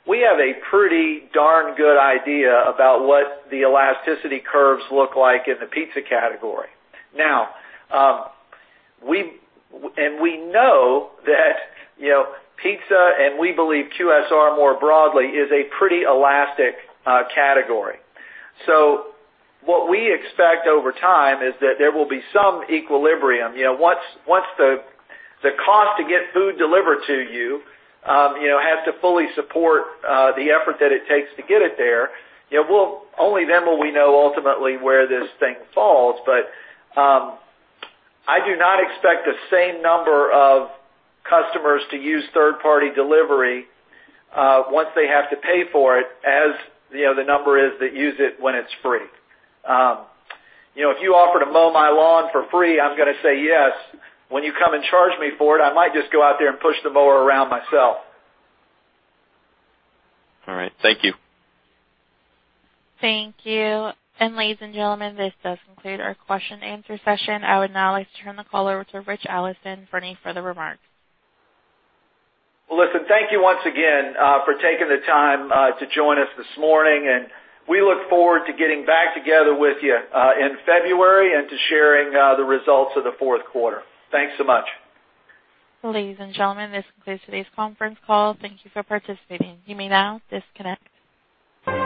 We have a pretty darn good idea about what the elasticity curves look like in the pizza category. We know that pizza, and we believe QSR more broadly, is a pretty elastic category. What we expect over time is that there will be some equilibrium. Once the cost to get food delivered to you has to fully support the effort that it takes to get it there, only then will we know ultimately where this thing falls. I do not expect the same number of customers to use third-party delivery once they have to pay for it, as the number is that use it when it's free. If you offer to mow my lawn for free, I'm going to say yes. When you come and charge me for it, I might just go out there and push the mower around myself. All right. Thank you. Thank you. Ladies and gentlemen, this does conclude our question and answer session. I would now like to turn the call over to Ritch Allison for any further remarks. Well, listen, thank you once again for taking the time to join us this morning, and we look forward to getting back together with you in February and to sharing the results of the fourth quarter. Thanks so much. Ladies and gentlemen, this concludes today's conference call. Thank you for participating. You may now disconnect.